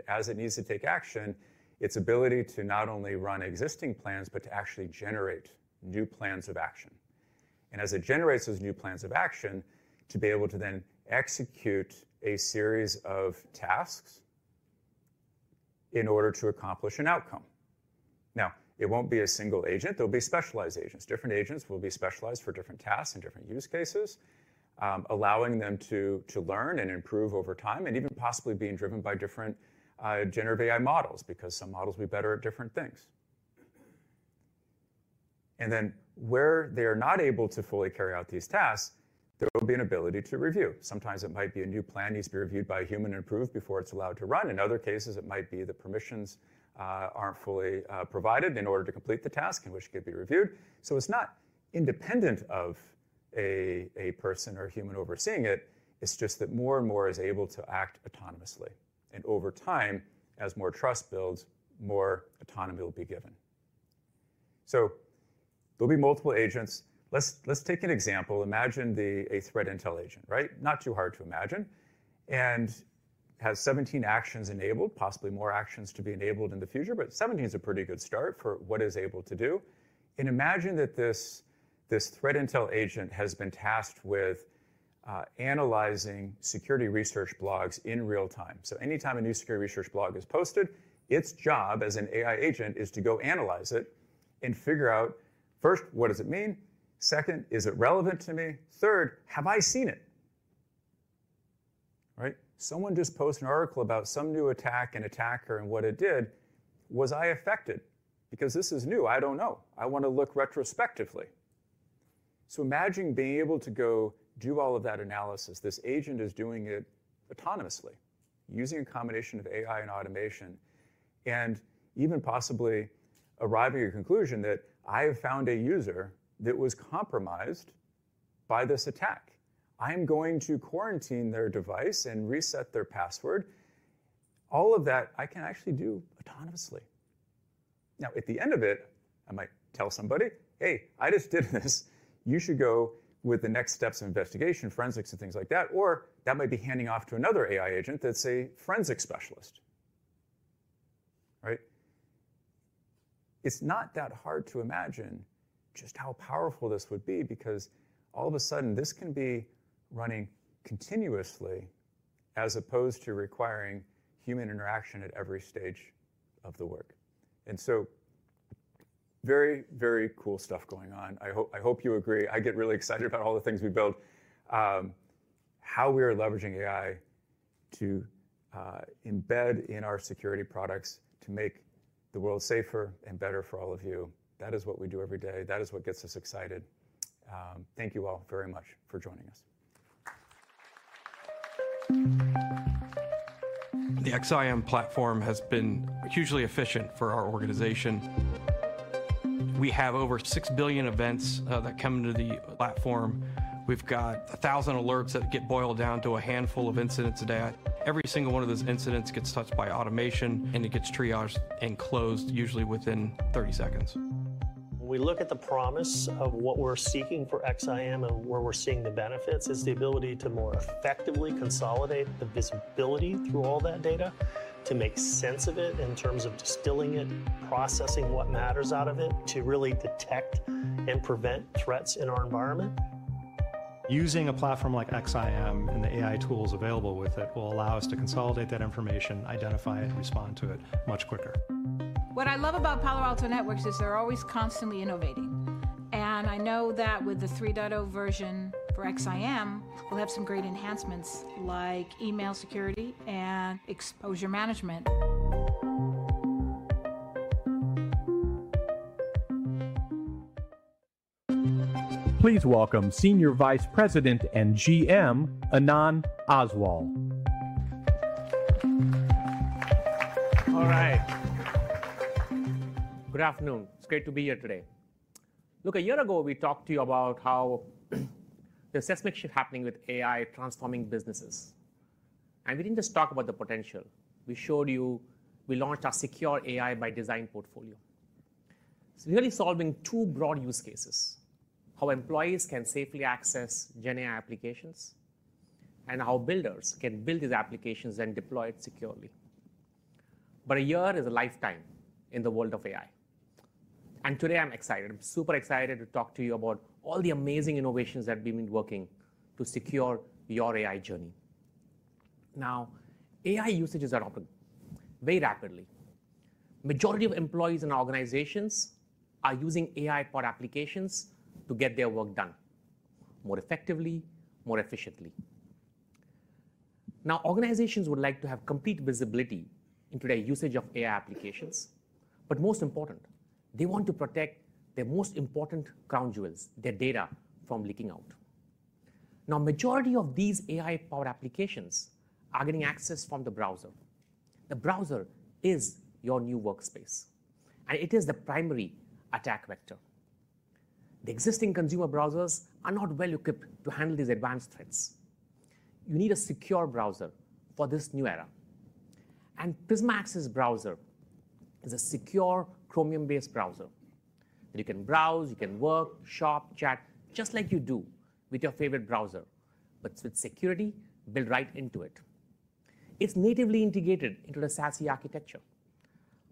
[SPEAKER 5] As it needs to take action, its ability to not only run existing plans, but to actually generate new plans of action. As it generates those new plans of action, to be able to then execute a series of tasks in order to accomplish an outcome. It won't be a single agent. There will be specialized agents. Different agents will be specialized for different tasks and different use cases, allowing them to learn and improve over time and even possibly being driven by different generative AI models, because some models will be better at different things. Where they are not able to fully carry out these tasks, there will be an ability to review. Sometimes it might be a new plan needs to be reviewed by a human and approved before it's allowed to run. In other cases, it might be the permissions aren't fully provided in order to complete the task in which it could be reviewed. It's not independent of a person or human overseeing it. It's just that more and more is able to act autonomously. Over time, as more trust builds, more autonomy will be given. There will be multiple agents. Let's take an example. Imagine a threat intel agent, right? Not too hard to imagine. It has 17 actions enabled, possibly more actions to be enabled in the future, but 17 is a pretty good start for what it is able to do. Imagine that this threat intel agent has been tasked with analyzing security research blogs in real time. Anytime a new security research blog is posted, its job as an AI agent is to go analyze it and figure out, first, what does it mean? Second, is it relevant to me? Third, have I seen it? Right? Someone just posted an article about some new attack and attacker and what it did. Was I affected? Because this is new. I do not know. I want to look retrospectively. Imagine being able to go do all of that analysis. This agent is doing it autonomously, using a combination of AI and automation, and even possibly arriving at a conclusion that I have found a user that was compromised by this attack. I'm going to quarantine their device and reset their password. All of that I can actually do autonomously. Now, at the end of it, I might tell somebody, hey, I just did this. You should go with the next steps of investigation, forensics and things like that. That might be handing off to another AI agent that's a forensic specialist. Right? It's not that hard to imagine just how powerful this would be, because all of a sudden, this can be running continuously as opposed to requiring human interaction at every stage of the work. Very, very cool stuff going on. I hope you agree. I get really excited about all the things we build, how we are leveraging AI to embed in our security products to make the world safer and better for all of you. That is what we do every day. That is what gets us excited. Thank you all very much for joining us.
[SPEAKER 2] The XSIAM platform has been hugely efficient for our organization. We have over 6 billion events that come into the platform. We've got 1,000 alerts that get boiled down to a handful of incidents a day. Every single one of those incidents gets touched by automation, and it gets triaged and closed usually within 30 seconds. When we look at the promise of what we're seeking for XSIAM and where we're seeing the benefits, it's the ability to more effectively consolidate the visibility through all that data, to make sense of it in terms of distilling it, processing what matters out of it, to really detect and prevent threats in our environment. Using a platform like XSIAM and the AI tools available with it will allow us to consolidate that information, identify it, and respond to it much quicker. What I love about Palo Alto Networks is they're always constantly innovating. I know that with the 3.0 version for XSIAM, we'll have some great enhancements like email security and exposure management.
[SPEAKER 3] Please welcome Senior Vice President and GM, Anand Oswal.
[SPEAKER 7] All right. Good afternoon. It's great to be here today. Look, a year ago, we talked to you about how the seismic shift happening with AI transforming businesses. We did not just talk about the potential. We showed you we launched our Secure AI by Design portfolio. It is really solving two broad use cases: how employees can safely access GenAI applications and how builders can build these applications and deploy it securely. A year is a lifetime in the world of AI. Today, I am excited. I am super excited to talk to you about all the amazing innovations that we have been working to secure your AI journey. Now, AI usages are up very rapidly. The majority of employees in our organizations are using AI-powered applications to get their work done more effectively, more efficiently. Now, organizations would like to have complete visibility into their usage of AI applications. Most important, they want to protect their most important crown jewels, their data, from leaking out. Now, the majority of these AI-powered applications are getting access from the browser. The browser is your new workspace, and it is the primary attack vector. The existing consumer browsers are not well equipped to handle these advanced threats. You need a secure browser for this new era. Prisma Access Browser is a secure Chromium-based browser that you can browse, you can work, shop, chat, just like you do with your favorite browser, but with security built right into it. It's natively integrated into the SASE architecture,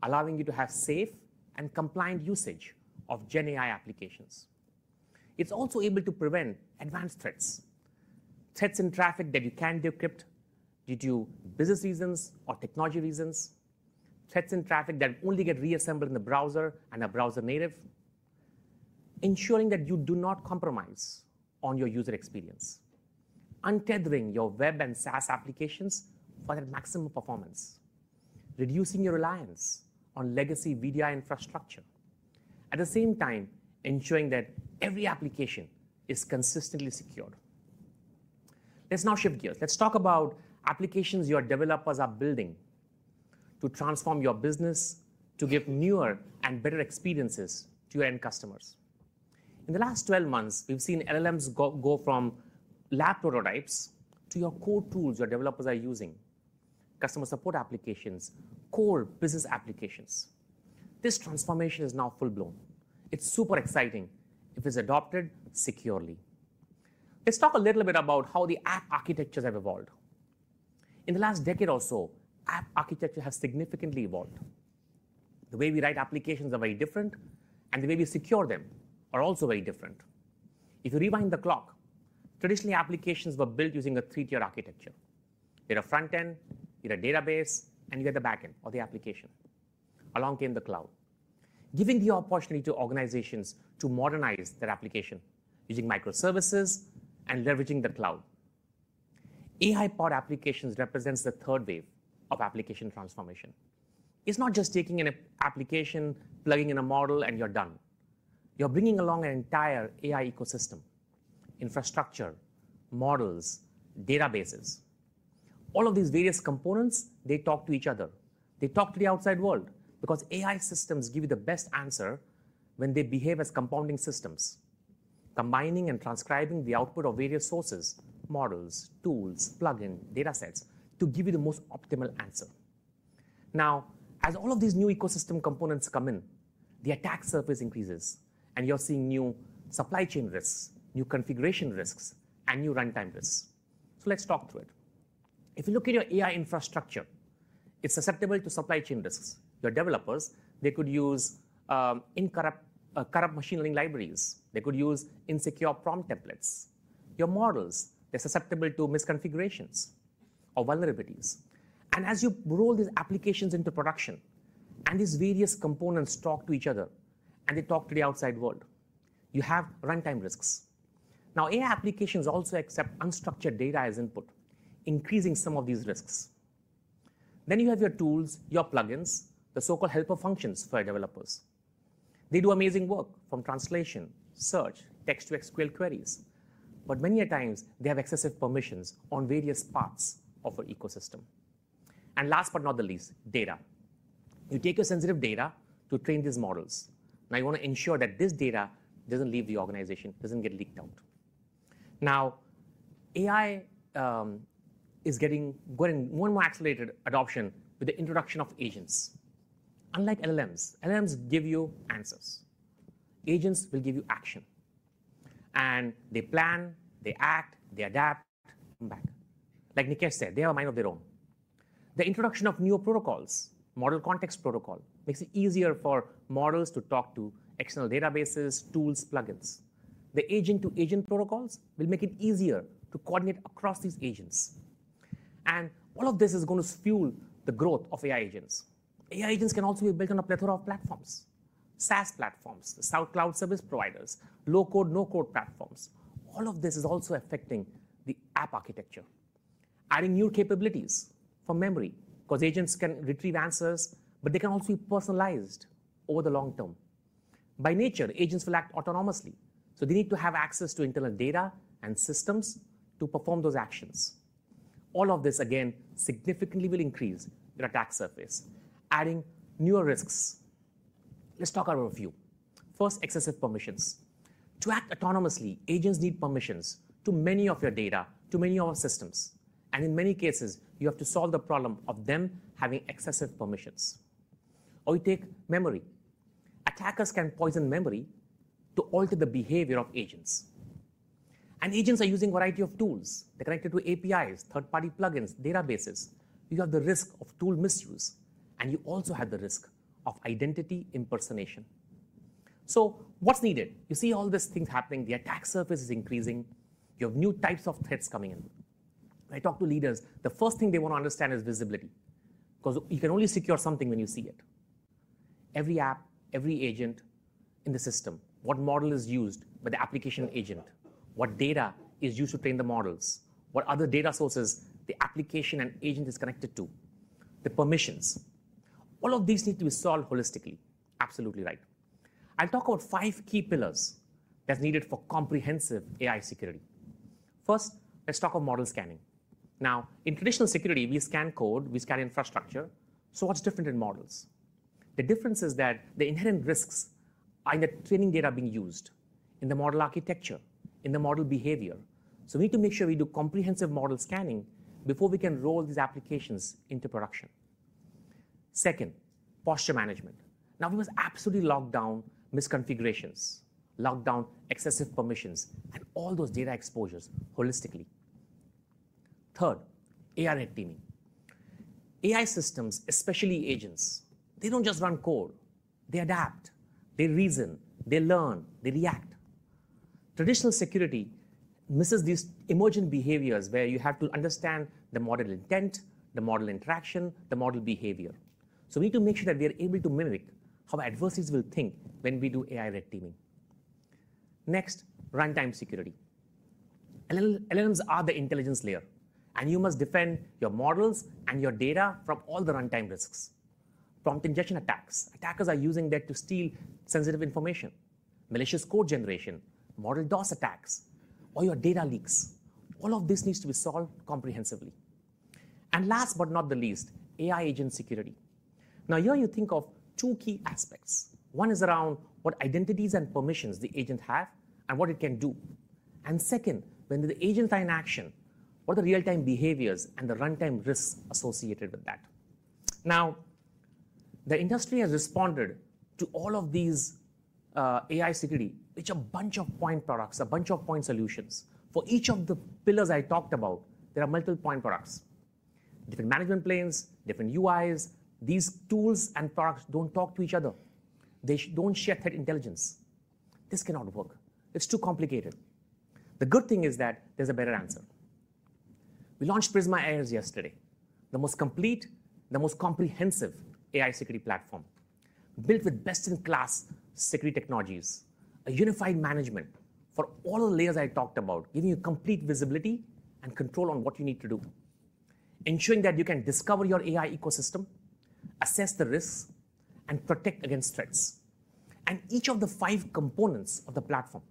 [SPEAKER 7] allowing you to have safe and compliant usage of GenAI applications. It's also able to prevent advanced threats, threats in traffic that you can't decrypt due to business reasons or technology reasons, threats in traffic that only get reassembled in the browser and are browser-native, ensuring that you do not compromise on your user experience, untethering your web and SaaS applications for that maximum performance, reducing your reliance on legacy VDI infrastructure, at the same time ensuring that every application is consistently secured. Let's now shift gears. Let's talk about applications your developers are building to transform your business, to give newer and better experiences to your end customers. In the last 12 months, we've seen LLMs go from lab prototypes to your core tools your developers are using: customer support applications, core business applications. This transformation is now full-blown. It's super exciting if it's adopted securely. Let's talk a little bit about how the app architectures have evolved. In the last decade or so, app architecture has significantly evolved. The way we write applications is very different, and the way we secure them is also very different. If you rewind the clock, traditionally, applications were built using a three-tier architecture. You had a front end, you had a database, and you had the back end or the application. Along came the cloud, giving the opportunity to organizations to modernize their application using microservices and leveraging the cloud. AI-powered applications represent the third wave of application transformation. It's not just taking an application, plugging in a model, and you're done. You're bringing along an entire AI ecosystem: infrastructure, models, databases. All of these various components, they talk to each other. They talk to the outside world because AI systems give you the best answer when they behave as compounding systems, combining and transcribing the output of various sources, models, tools, plugins, datasets to give you the most optimal answer. Now, as all of these new ecosystem components come in, the attack surface increases, and you're seeing new supply chain risks, new configuration risks, and new runtime risks. Let's talk through it. If you look at your AI infrastructure, it's susceptible to supply chain risks. Your developers, they could use incorrupt machine learning libraries. They could use insecure prompt templates. Your models, they're susceptible to misconfigurations or vulnerabilities. As you roll these applications into production and these various components talk to each other and they talk to the outside world, you have runtime risks. Now, AI applications also accept unstructured data as input, increasing some of these risks. You have your tools, your plugins, the so-called helper functions for developers. They do amazing work from translation, search, text-to-SQL queries. Many times, they have excessive permissions on various parts of our ecosystem. Last but not the least, data. You take your sensitive data to train these models. Now, you want to ensure that this data does not leave the organization, does not get leaked out. AI is getting more and more accelerated adoption with the introduction of agents. Unlike LLMs, LLMs give you answers. Agents will give you action. They plan, they act, they adapt, come back. Like Nikesh said, they have a mind of their own. The introduction of newer protocols, model context protocol, makes it easier for models to talk to external databases, tools, plugins. The agent-to-agent protocols will make it easier to coordinate across these agents. All of this is going to fuel the growth of AI agents. AI agents can also be built on a plethora of platforms: SaaS platforms, the SaaS cloud service providers, low-code, no-code platforms. All of this is also affecting the app architecture, adding new capabilities for memory because agents can retrieve answers, but they can also be personalized over the long term. By nature, agents will act autonomously. They need to have access to internal data and systems to perform those actions. All of this, again, significantly will increase your attack surface, adding newer risks. Let's talk about a few. First, excessive permissions. To act autonomously, agents need permissions to many of your data, to many of our systems. In many cases, you have to solve the problem of them having excessive permissions. Or you take memory. Attackers can poison memory to alter the behavior of agents. Agents are using a variety of tools. They're connected to APIs, third-party plugins, databases. You have the risk of tool misuse, and you also have the risk of identity impersonation. What's needed? You see all these things happening. The attack surface is increasing. You have new types of threats coming in. When I talk to leaders, the first thing they want to understand is visibility because you can only secure something when you see it. Every app, every agent in the system, what model is used by the application agent, what data is used to train the models, what other data sources the application and agent is connected to, the permissions. All of these need to be solved holistically. Absolutely right. I'll talk about five key pillars that are needed for comprehensive AI security. First, let's talk about model scanning. Now, in traditional security, we scan code, we scan infrastructure. What is different in models? The difference is that the inherent risks are in the training data being used, in the model architecture, in the model behavior. We need to make sure we do comprehensive model scanning before we can roll these applications into production. Second, posture management. We must absolutely lock down misconfigurations, lock down excessive permissions, and all those data exposures holistically. Third, AI red teaming. AI systems, especially agents, they do not just run code. They adapt. They reason. They learn. They react. Traditional security misses these emergent behaviors where you have to understand the model intent, the model interaction, the model behavior. We need to make sure that we are able to mimic how adversaries will think when we do AI red teaming. Next, runtime security. LLMs are the intelligence layer, and you must defend your models and your data from all the runtime risks. Prompt injection attacks. Attackers are using that to steal sensitive information, malicious code generation, model DOS attacks, or your data leaks. All of this needs to be solved comprehensively. Last but not the least, AI agent security. Now, here you think of two key aspects. One is around what identities and permissions the agent has and what it can do. Second, when the agents are in action, what are the real-time behaviors and the runtime risks associated with that? The industry has responded to all of these AI security, which are a bunch of point products, a bunch of point solutions. For each of the pillars I talked about, there are multiple point products, different management planes, different UIs. These tools and products do not talk to each other. They don't share threat intelligence. This cannot work. It's too complicated. The good thing is that there's a better answer. We launched Prisma AI yesterday, the most complete, the most comprehensive AI security platform built with best-in-class security technologies, a unified management for all the layers I talked about, giving you complete visibility and control on what you need to do, ensuring that you can discover your AI ecosystem, assess the risks, and protect against threats. Each of the five components of the platform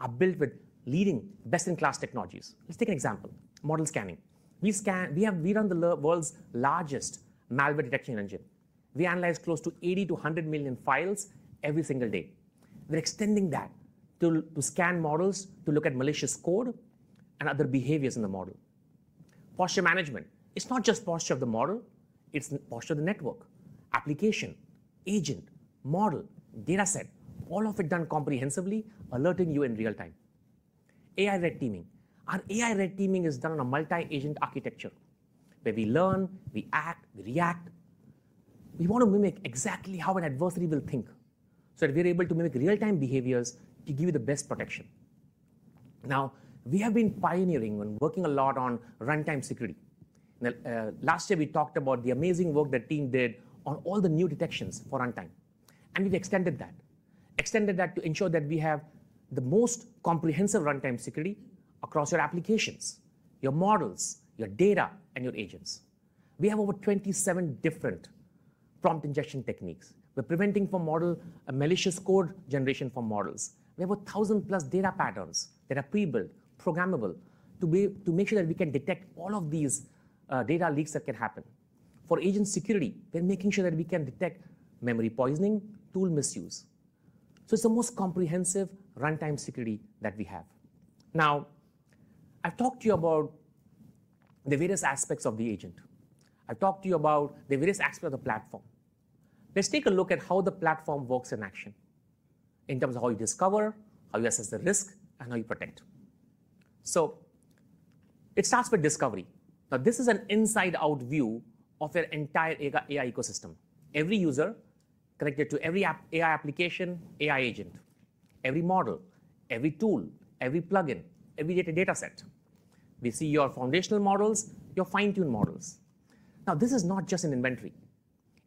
[SPEAKER 7] are built with leading best-in-class technologies. Let's take an example: model scanning. We run the world's largest malware detection engine. We analyze close to 80-100 million files every single day. We're extending that to scan models to look at malicious code and other behaviors in the model. Posture management. It's not just posture of the model. It's posture of the network, application, agent, model, dataset, all of it done comprehensively, alerting you in real time. AI red teaming. Our AI red teaming is done on a multi-agent architecture where we learn, we act, we react. We want to mimic exactly how an adversary will think so that we're able to mimic real-time behaviors to give you the best protection. Now, we have been pioneering and working a lot on runtime security. Last year, we talked about the amazing work that the team did on all the new detections for runtime. We have extended that, extended that to ensure that we have the most comprehensive runtime security across your applications, your models, your data, and your agents. We have over 27 different prompt injection techniques. We're preventing malicious code generation from models. We have 1,000-plus data patterns that are pre-built, programmable, to make sure that we can detect all of these data leaks that can happen. For agent security, we're making sure that we can detect memory poisoning, tool misuse. It is the most comprehensive runtime security that we have. I have talked to you about the various aspects of the agent. I have talked to you about the various aspects of the platform. Let's take a look at how the platform works in action in terms of how you discover, how you assess the risk, and how you protect. It starts with discovery. This is an inside-out view of your entire AI ecosystem. Every user connected to every AI application, AI agent, every model, every tool, every plugin, every data dataset. We see your foundational models, your fine-tuned models. This is not just an inventory.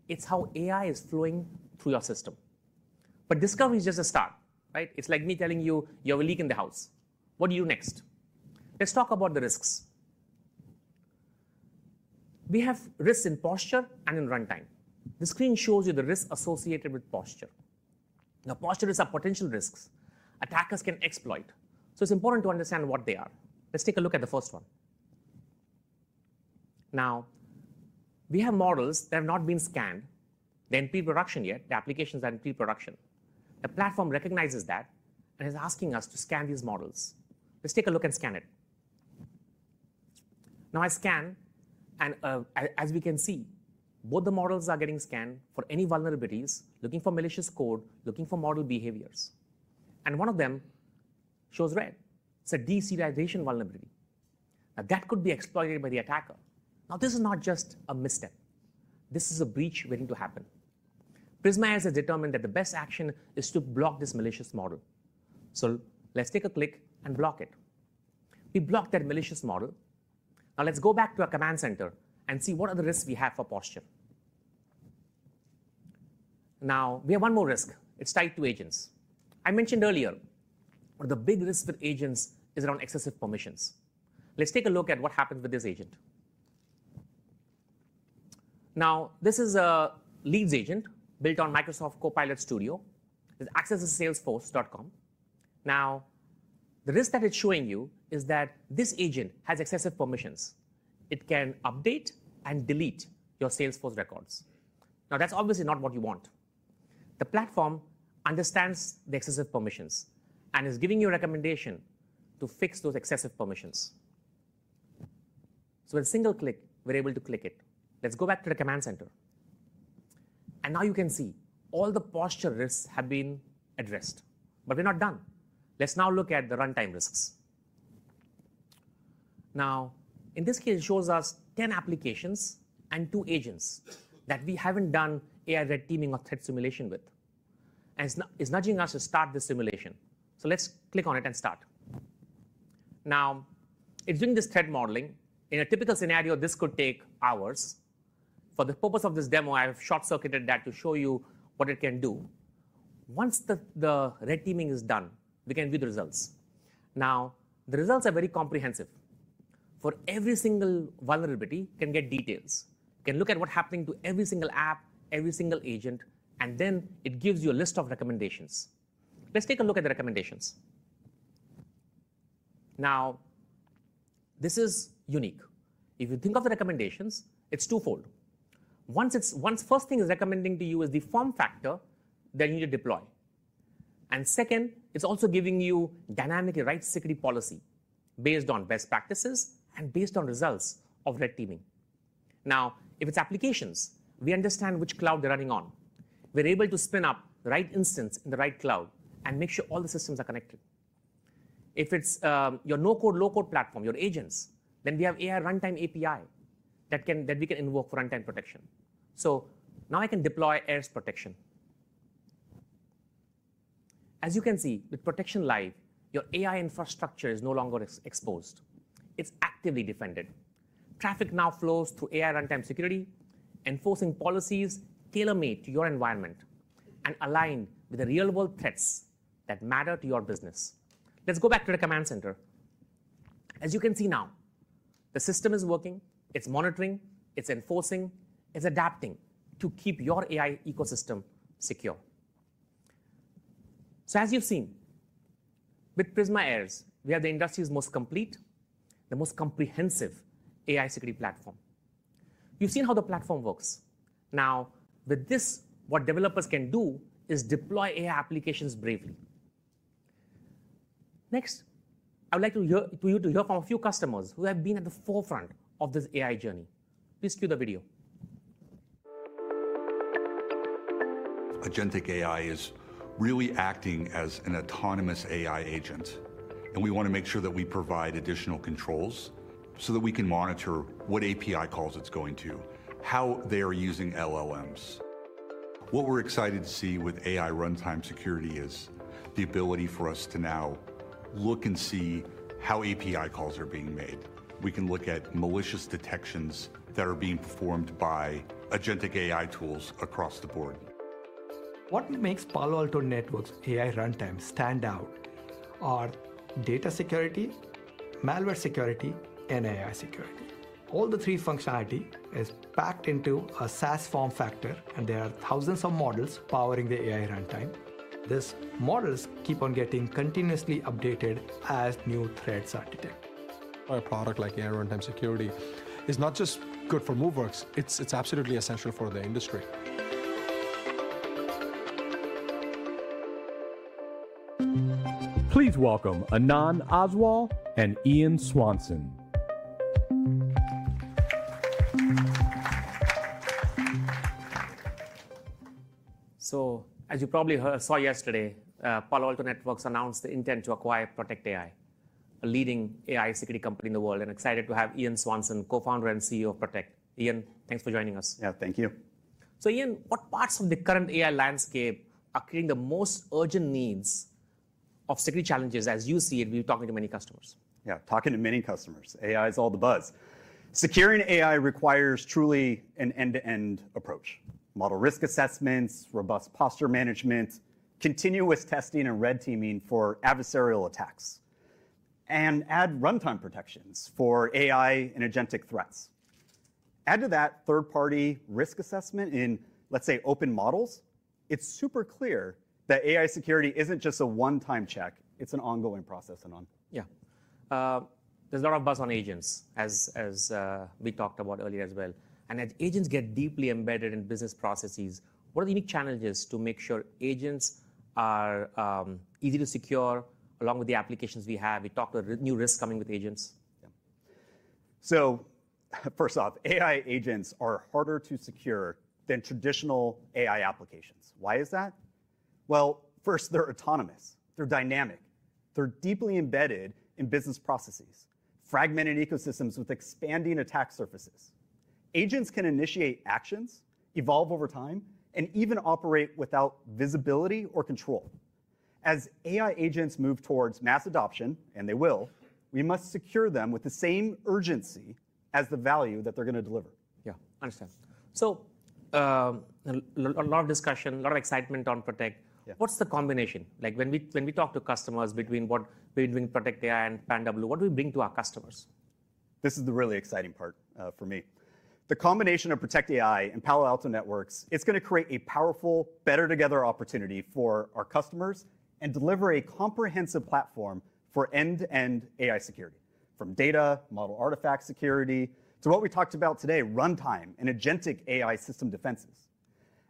[SPEAKER 7] It's how AI is flowing through your system. Discovery is just a start, right? It's like me telling you you have a leak in the house. What do you do next? Let's talk about the risks. We have risks in posture and in runtime. The screen shows you the risk associated with posture. Now, posture is a potential risk attackers can exploit. It's important to understand what they are. Let's take a look at the first one. Now, we have models that have not been scanned. They're in pre-production yet. The applications are in pre-production. The platform recognizes that and is asking us to scan these models. Let's take a look and scan it. I scan, and as we can see, both the models are getting scanned for any vulnerabilities, looking for malicious code, looking for model behaviors. One of them shows red. It's a deserialization vulnerability. Now, that could be exploited by the attacker. This is not just a misstep. This is a breach waiting to happen. Prisma has determined that the best action is to block this malicious model. Let's take a click and block it. We blocked that malicious model. Now, let's go back to our command center and see what other risks we have for posture. We have one more risk. It's tied to agents. I mentioned earlier that the big risk for agents is around excessive permissions. Let's take a look at what happens with this agent. This is a leads agent built on Microsoft Copilot Studio. It accesses Salesforce.com. The risk that it's showing you is that this agent has excessive permissions. It can update and delete your Salesforce records. That's obviously not what you want. The platform understands the excessive permissions and is giving you a recommendation to fix those excessive permissions. With a single click, we're able to click it. Let's go back to the command center. Now you can see all the posture risks have been addressed. We're not done. Let's now look at the runtime risks. In this case, it shows us 10 applications and two agents that we haven't done AI red teaming or threat simulation with. It's nudging us to start the simulation. Let's click on it and start. Now, it's doing this threat modeling. In a typical scenario, this could take hours. For the purpose of this demo, I have short-circuited that to show you what it can do. Once the red teaming is done, we can view the results. The results are very comprehensive. For every single vulnerability, you can get details. You can look at what's happening to every single app, every single agent, and then it gives you a list of recommendations. Let's take a look at the recommendations. Now, this is unique. If you think of the recommendations, it's twofold. Once the first thing it's recommending to you is the form factor that you need to deploy. And second, it's also giving you dynamically right security policy based on best practices and based on results of red teaming. Now, if it's applications, we understand which cloud they're running on. We're able to spin up the right instance in the right cloud and make sure all the systems are connected. If it's your no-code, low-code platform, your agents, then we have AI runtime API that we can invoke for runtime protection. Now I can deploy AIRS protection. As you can see, with Protection Live, your AI infrastructure is no longer exposed. It's actively defended. Traffic now flows through AI runtime security, enforcing policies tailor-made to your environment and aligned with the real-world threats that matter to your business. Let's go back to the command center. As you can see now, the system is working. It's monitoring. It's enforcing. It's adapting to keep your AI ecosystem secure. As you've seen, with Prisma AIRS, we have the industry's most complete, the most comprehensive AI security platform. You've seen how the platform works. Now, with this, what developers can do is deploy AI applications bravely. Next, I would like for you to hear from a few customers who have been at the forefront of this AI journey. Please cue the video.
[SPEAKER 2] Agentic AI is really acting as an autonomous AI agent. We want to make sure that we provide additional controls so that we can monitor what API calls it's going to, how they are using LLMs. What we're excited to see with AI runtime security is the ability for us to now look and see how API calls are being made. We can look at malicious detections that are being performed by agentic AI tools across the board. What makes Palo Alto Networks AI runtime stand out are data security, malware security, and AI security. All the three functionality is packed into a SaaS form factor, and there are thousands of models powering the AI runtime. These models keep on getting continuously updated as new threats are detected. A product like AI runtime security is not just good for Moveworks. It's absolutely essential for the industry.
[SPEAKER 3] Please welcome Anand Oswal and Ian Swanson.
[SPEAKER 7] As you probably saw yesterday, Palo Alto Networks announced the intent to acquire Protect AI, a leading AI security company in the world, and excited to have Ian Swanson, co-founder and CEO of Protect. Ian, thanks for joining us.
[SPEAKER 8] Yeah, thank you.
[SPEAKER 7] Ian, what parts of the current AI landscape are creating the most urgent needs of security challenges as you see it? We're talking to many customers.
[SPEAKER 8] Yeah, talking to many customers. AI is all the buzz. Securing AI requires truly an end-to-end approach: model risk assessments, robust posture management, continuous testing, and red teaming for adversarial attacks, and add runtime protections for AI and agentic threats. Add to that third-party risk assessment in, let's say, open models. It's super clear that AI security isn't just a one-time check. It's an ongoing process, Anand. Yeah.
[SPEAKER 7] There's a lot of buzz on agents, as we talked about earlier as well. As agents get deeply embedded in business processes, what are the unique challenges to make sure agents are easy to secure along with the applications we have? We talked about new risks coming with agents. Yeah.
[SPEAKER 8] First off, AI agents are harder to secure than traditional AI applications. Why is that? First, they're autonomous. They're dynamic. They're deeply embedded in business processes, fragmented ecosystems with expanding attack surfaces. Agents can initiate actions, evolve over time, and even operate without visibility or control. As AI agents move towards mass adoption, and they will, we must secure them with the same urgency as the value that they're going to deliver.
[SPEAKER 7] Yeah, understand. A lot of discussion, a lot of excitement on Protect. What's the combination? Like when we talk to customers between what we're doing in Protect AI and Palo Alto Networks, what do we bring to our customers?
[SPEAKER 8] This is the really exciting part for me. The combination of Protect AI and Palo Alto Networks, it's going to create a powerful, better-together opportunity for our customers and deliver a comprehensive platform for end-to-end AI security, from data model artifact security to what we talked about today, runtime and agentic AI system defenses.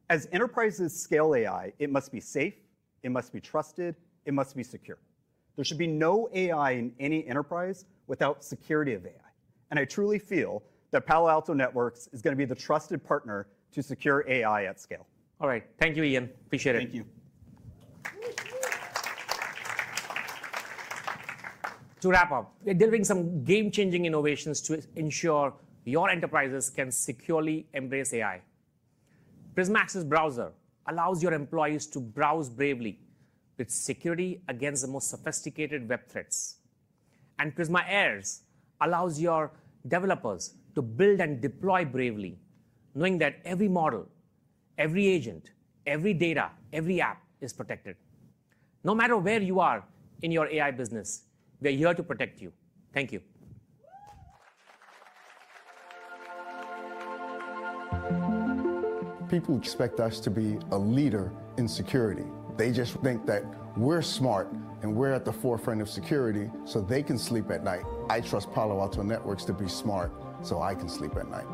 [SPEAKER 8] As enterprises scale AI, it must be safe. It must be trusted. It must be secure. There should be no AI in any enterprise without security of AI. I truly feel that Palo Alto Networks is going to be the trusted partner to secure AI at scale.
[SPEAKER 7] All right. Thank you, Ian. Appreciate it. Thank you. To wrap up, we're delivering some game-changing innovations to ensure your enterprises can securely embrace AI. Prisma Access Browser allows your employees to browse bravely with security against the most sophisticated web threats. Prisma AIRS allows your developers to build and deploy bravely, knowing that every model, every agent, every data, every app is protected. No matter where you are in your AI business, we're here to protect you. Thank you.
[SPEAKER 2] People expect us to be a leader in security. They just think that we're smart and we're at the forefront of security so they can sleep at night. I trust Palo Alto Networks to be smart so I can sleep at night.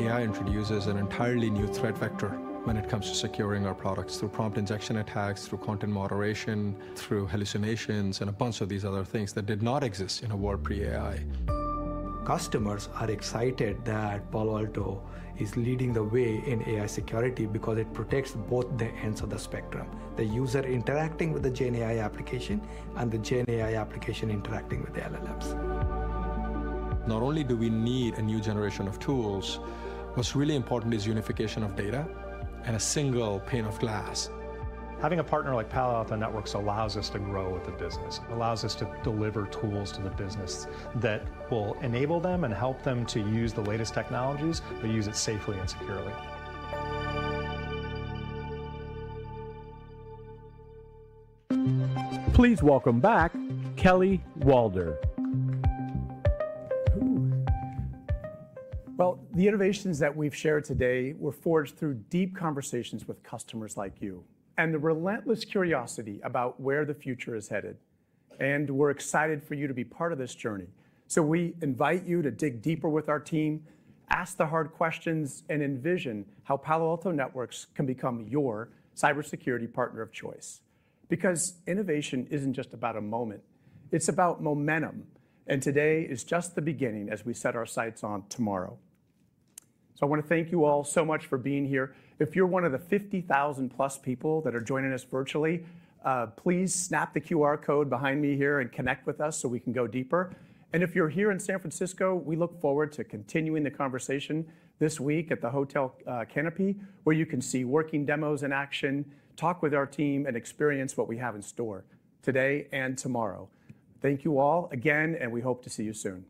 [SPEAKER 2] AI introduces an entirely new threat vector when it comes to securing our products through prompt injection attacks, through content moderation, through hallucinations, and a bunch of these other things that did not exist in a world pre-AI. Customers are excited that Palo Alto Networks is leading the way in AI security because it protects both the ends of the spectrum: the user interacting with the GenAI application and the GenAI application interacting with the LLMs. Not only do we need a new generation of tools, what's really important is unification of data and a single pane of glass. Having a partner like Palo Alto Networks allows us to grow with the business. It allows us to deliver tools to the business that will enable them and help them to use the latest technologies, but use it safely and securely.
[SPEAKER 3] Please welcome back Kelly Waldher.
[SPEAKER 1] The innovations that we've shared today were forged through deep conversations with customers like you and the relentless curiosity about where the future is headed. We are excited for you to be part of this journey. We invite you to dig deeper with our team, ask the hard questions, and envision how Palo Alto Networks can become your cybersecurity partner of choice. Innovation is not just about a moment. It is about momentum. Today is just the beginning as we set our sights on tomorrow. I want to thank you all so much for being here. If you are one of the 50,000-plus people that are joining us virtually, please snap the QR code behind me here and connect with us so we can go deeper. If you are here in San Francisco, we look forward to continuing the conversation this week at the Hotel Canopy, where you can see working demos in action, talk with our team, and experience what we have in store today and tomorrow. Thank you all again, and we hope to see you soon.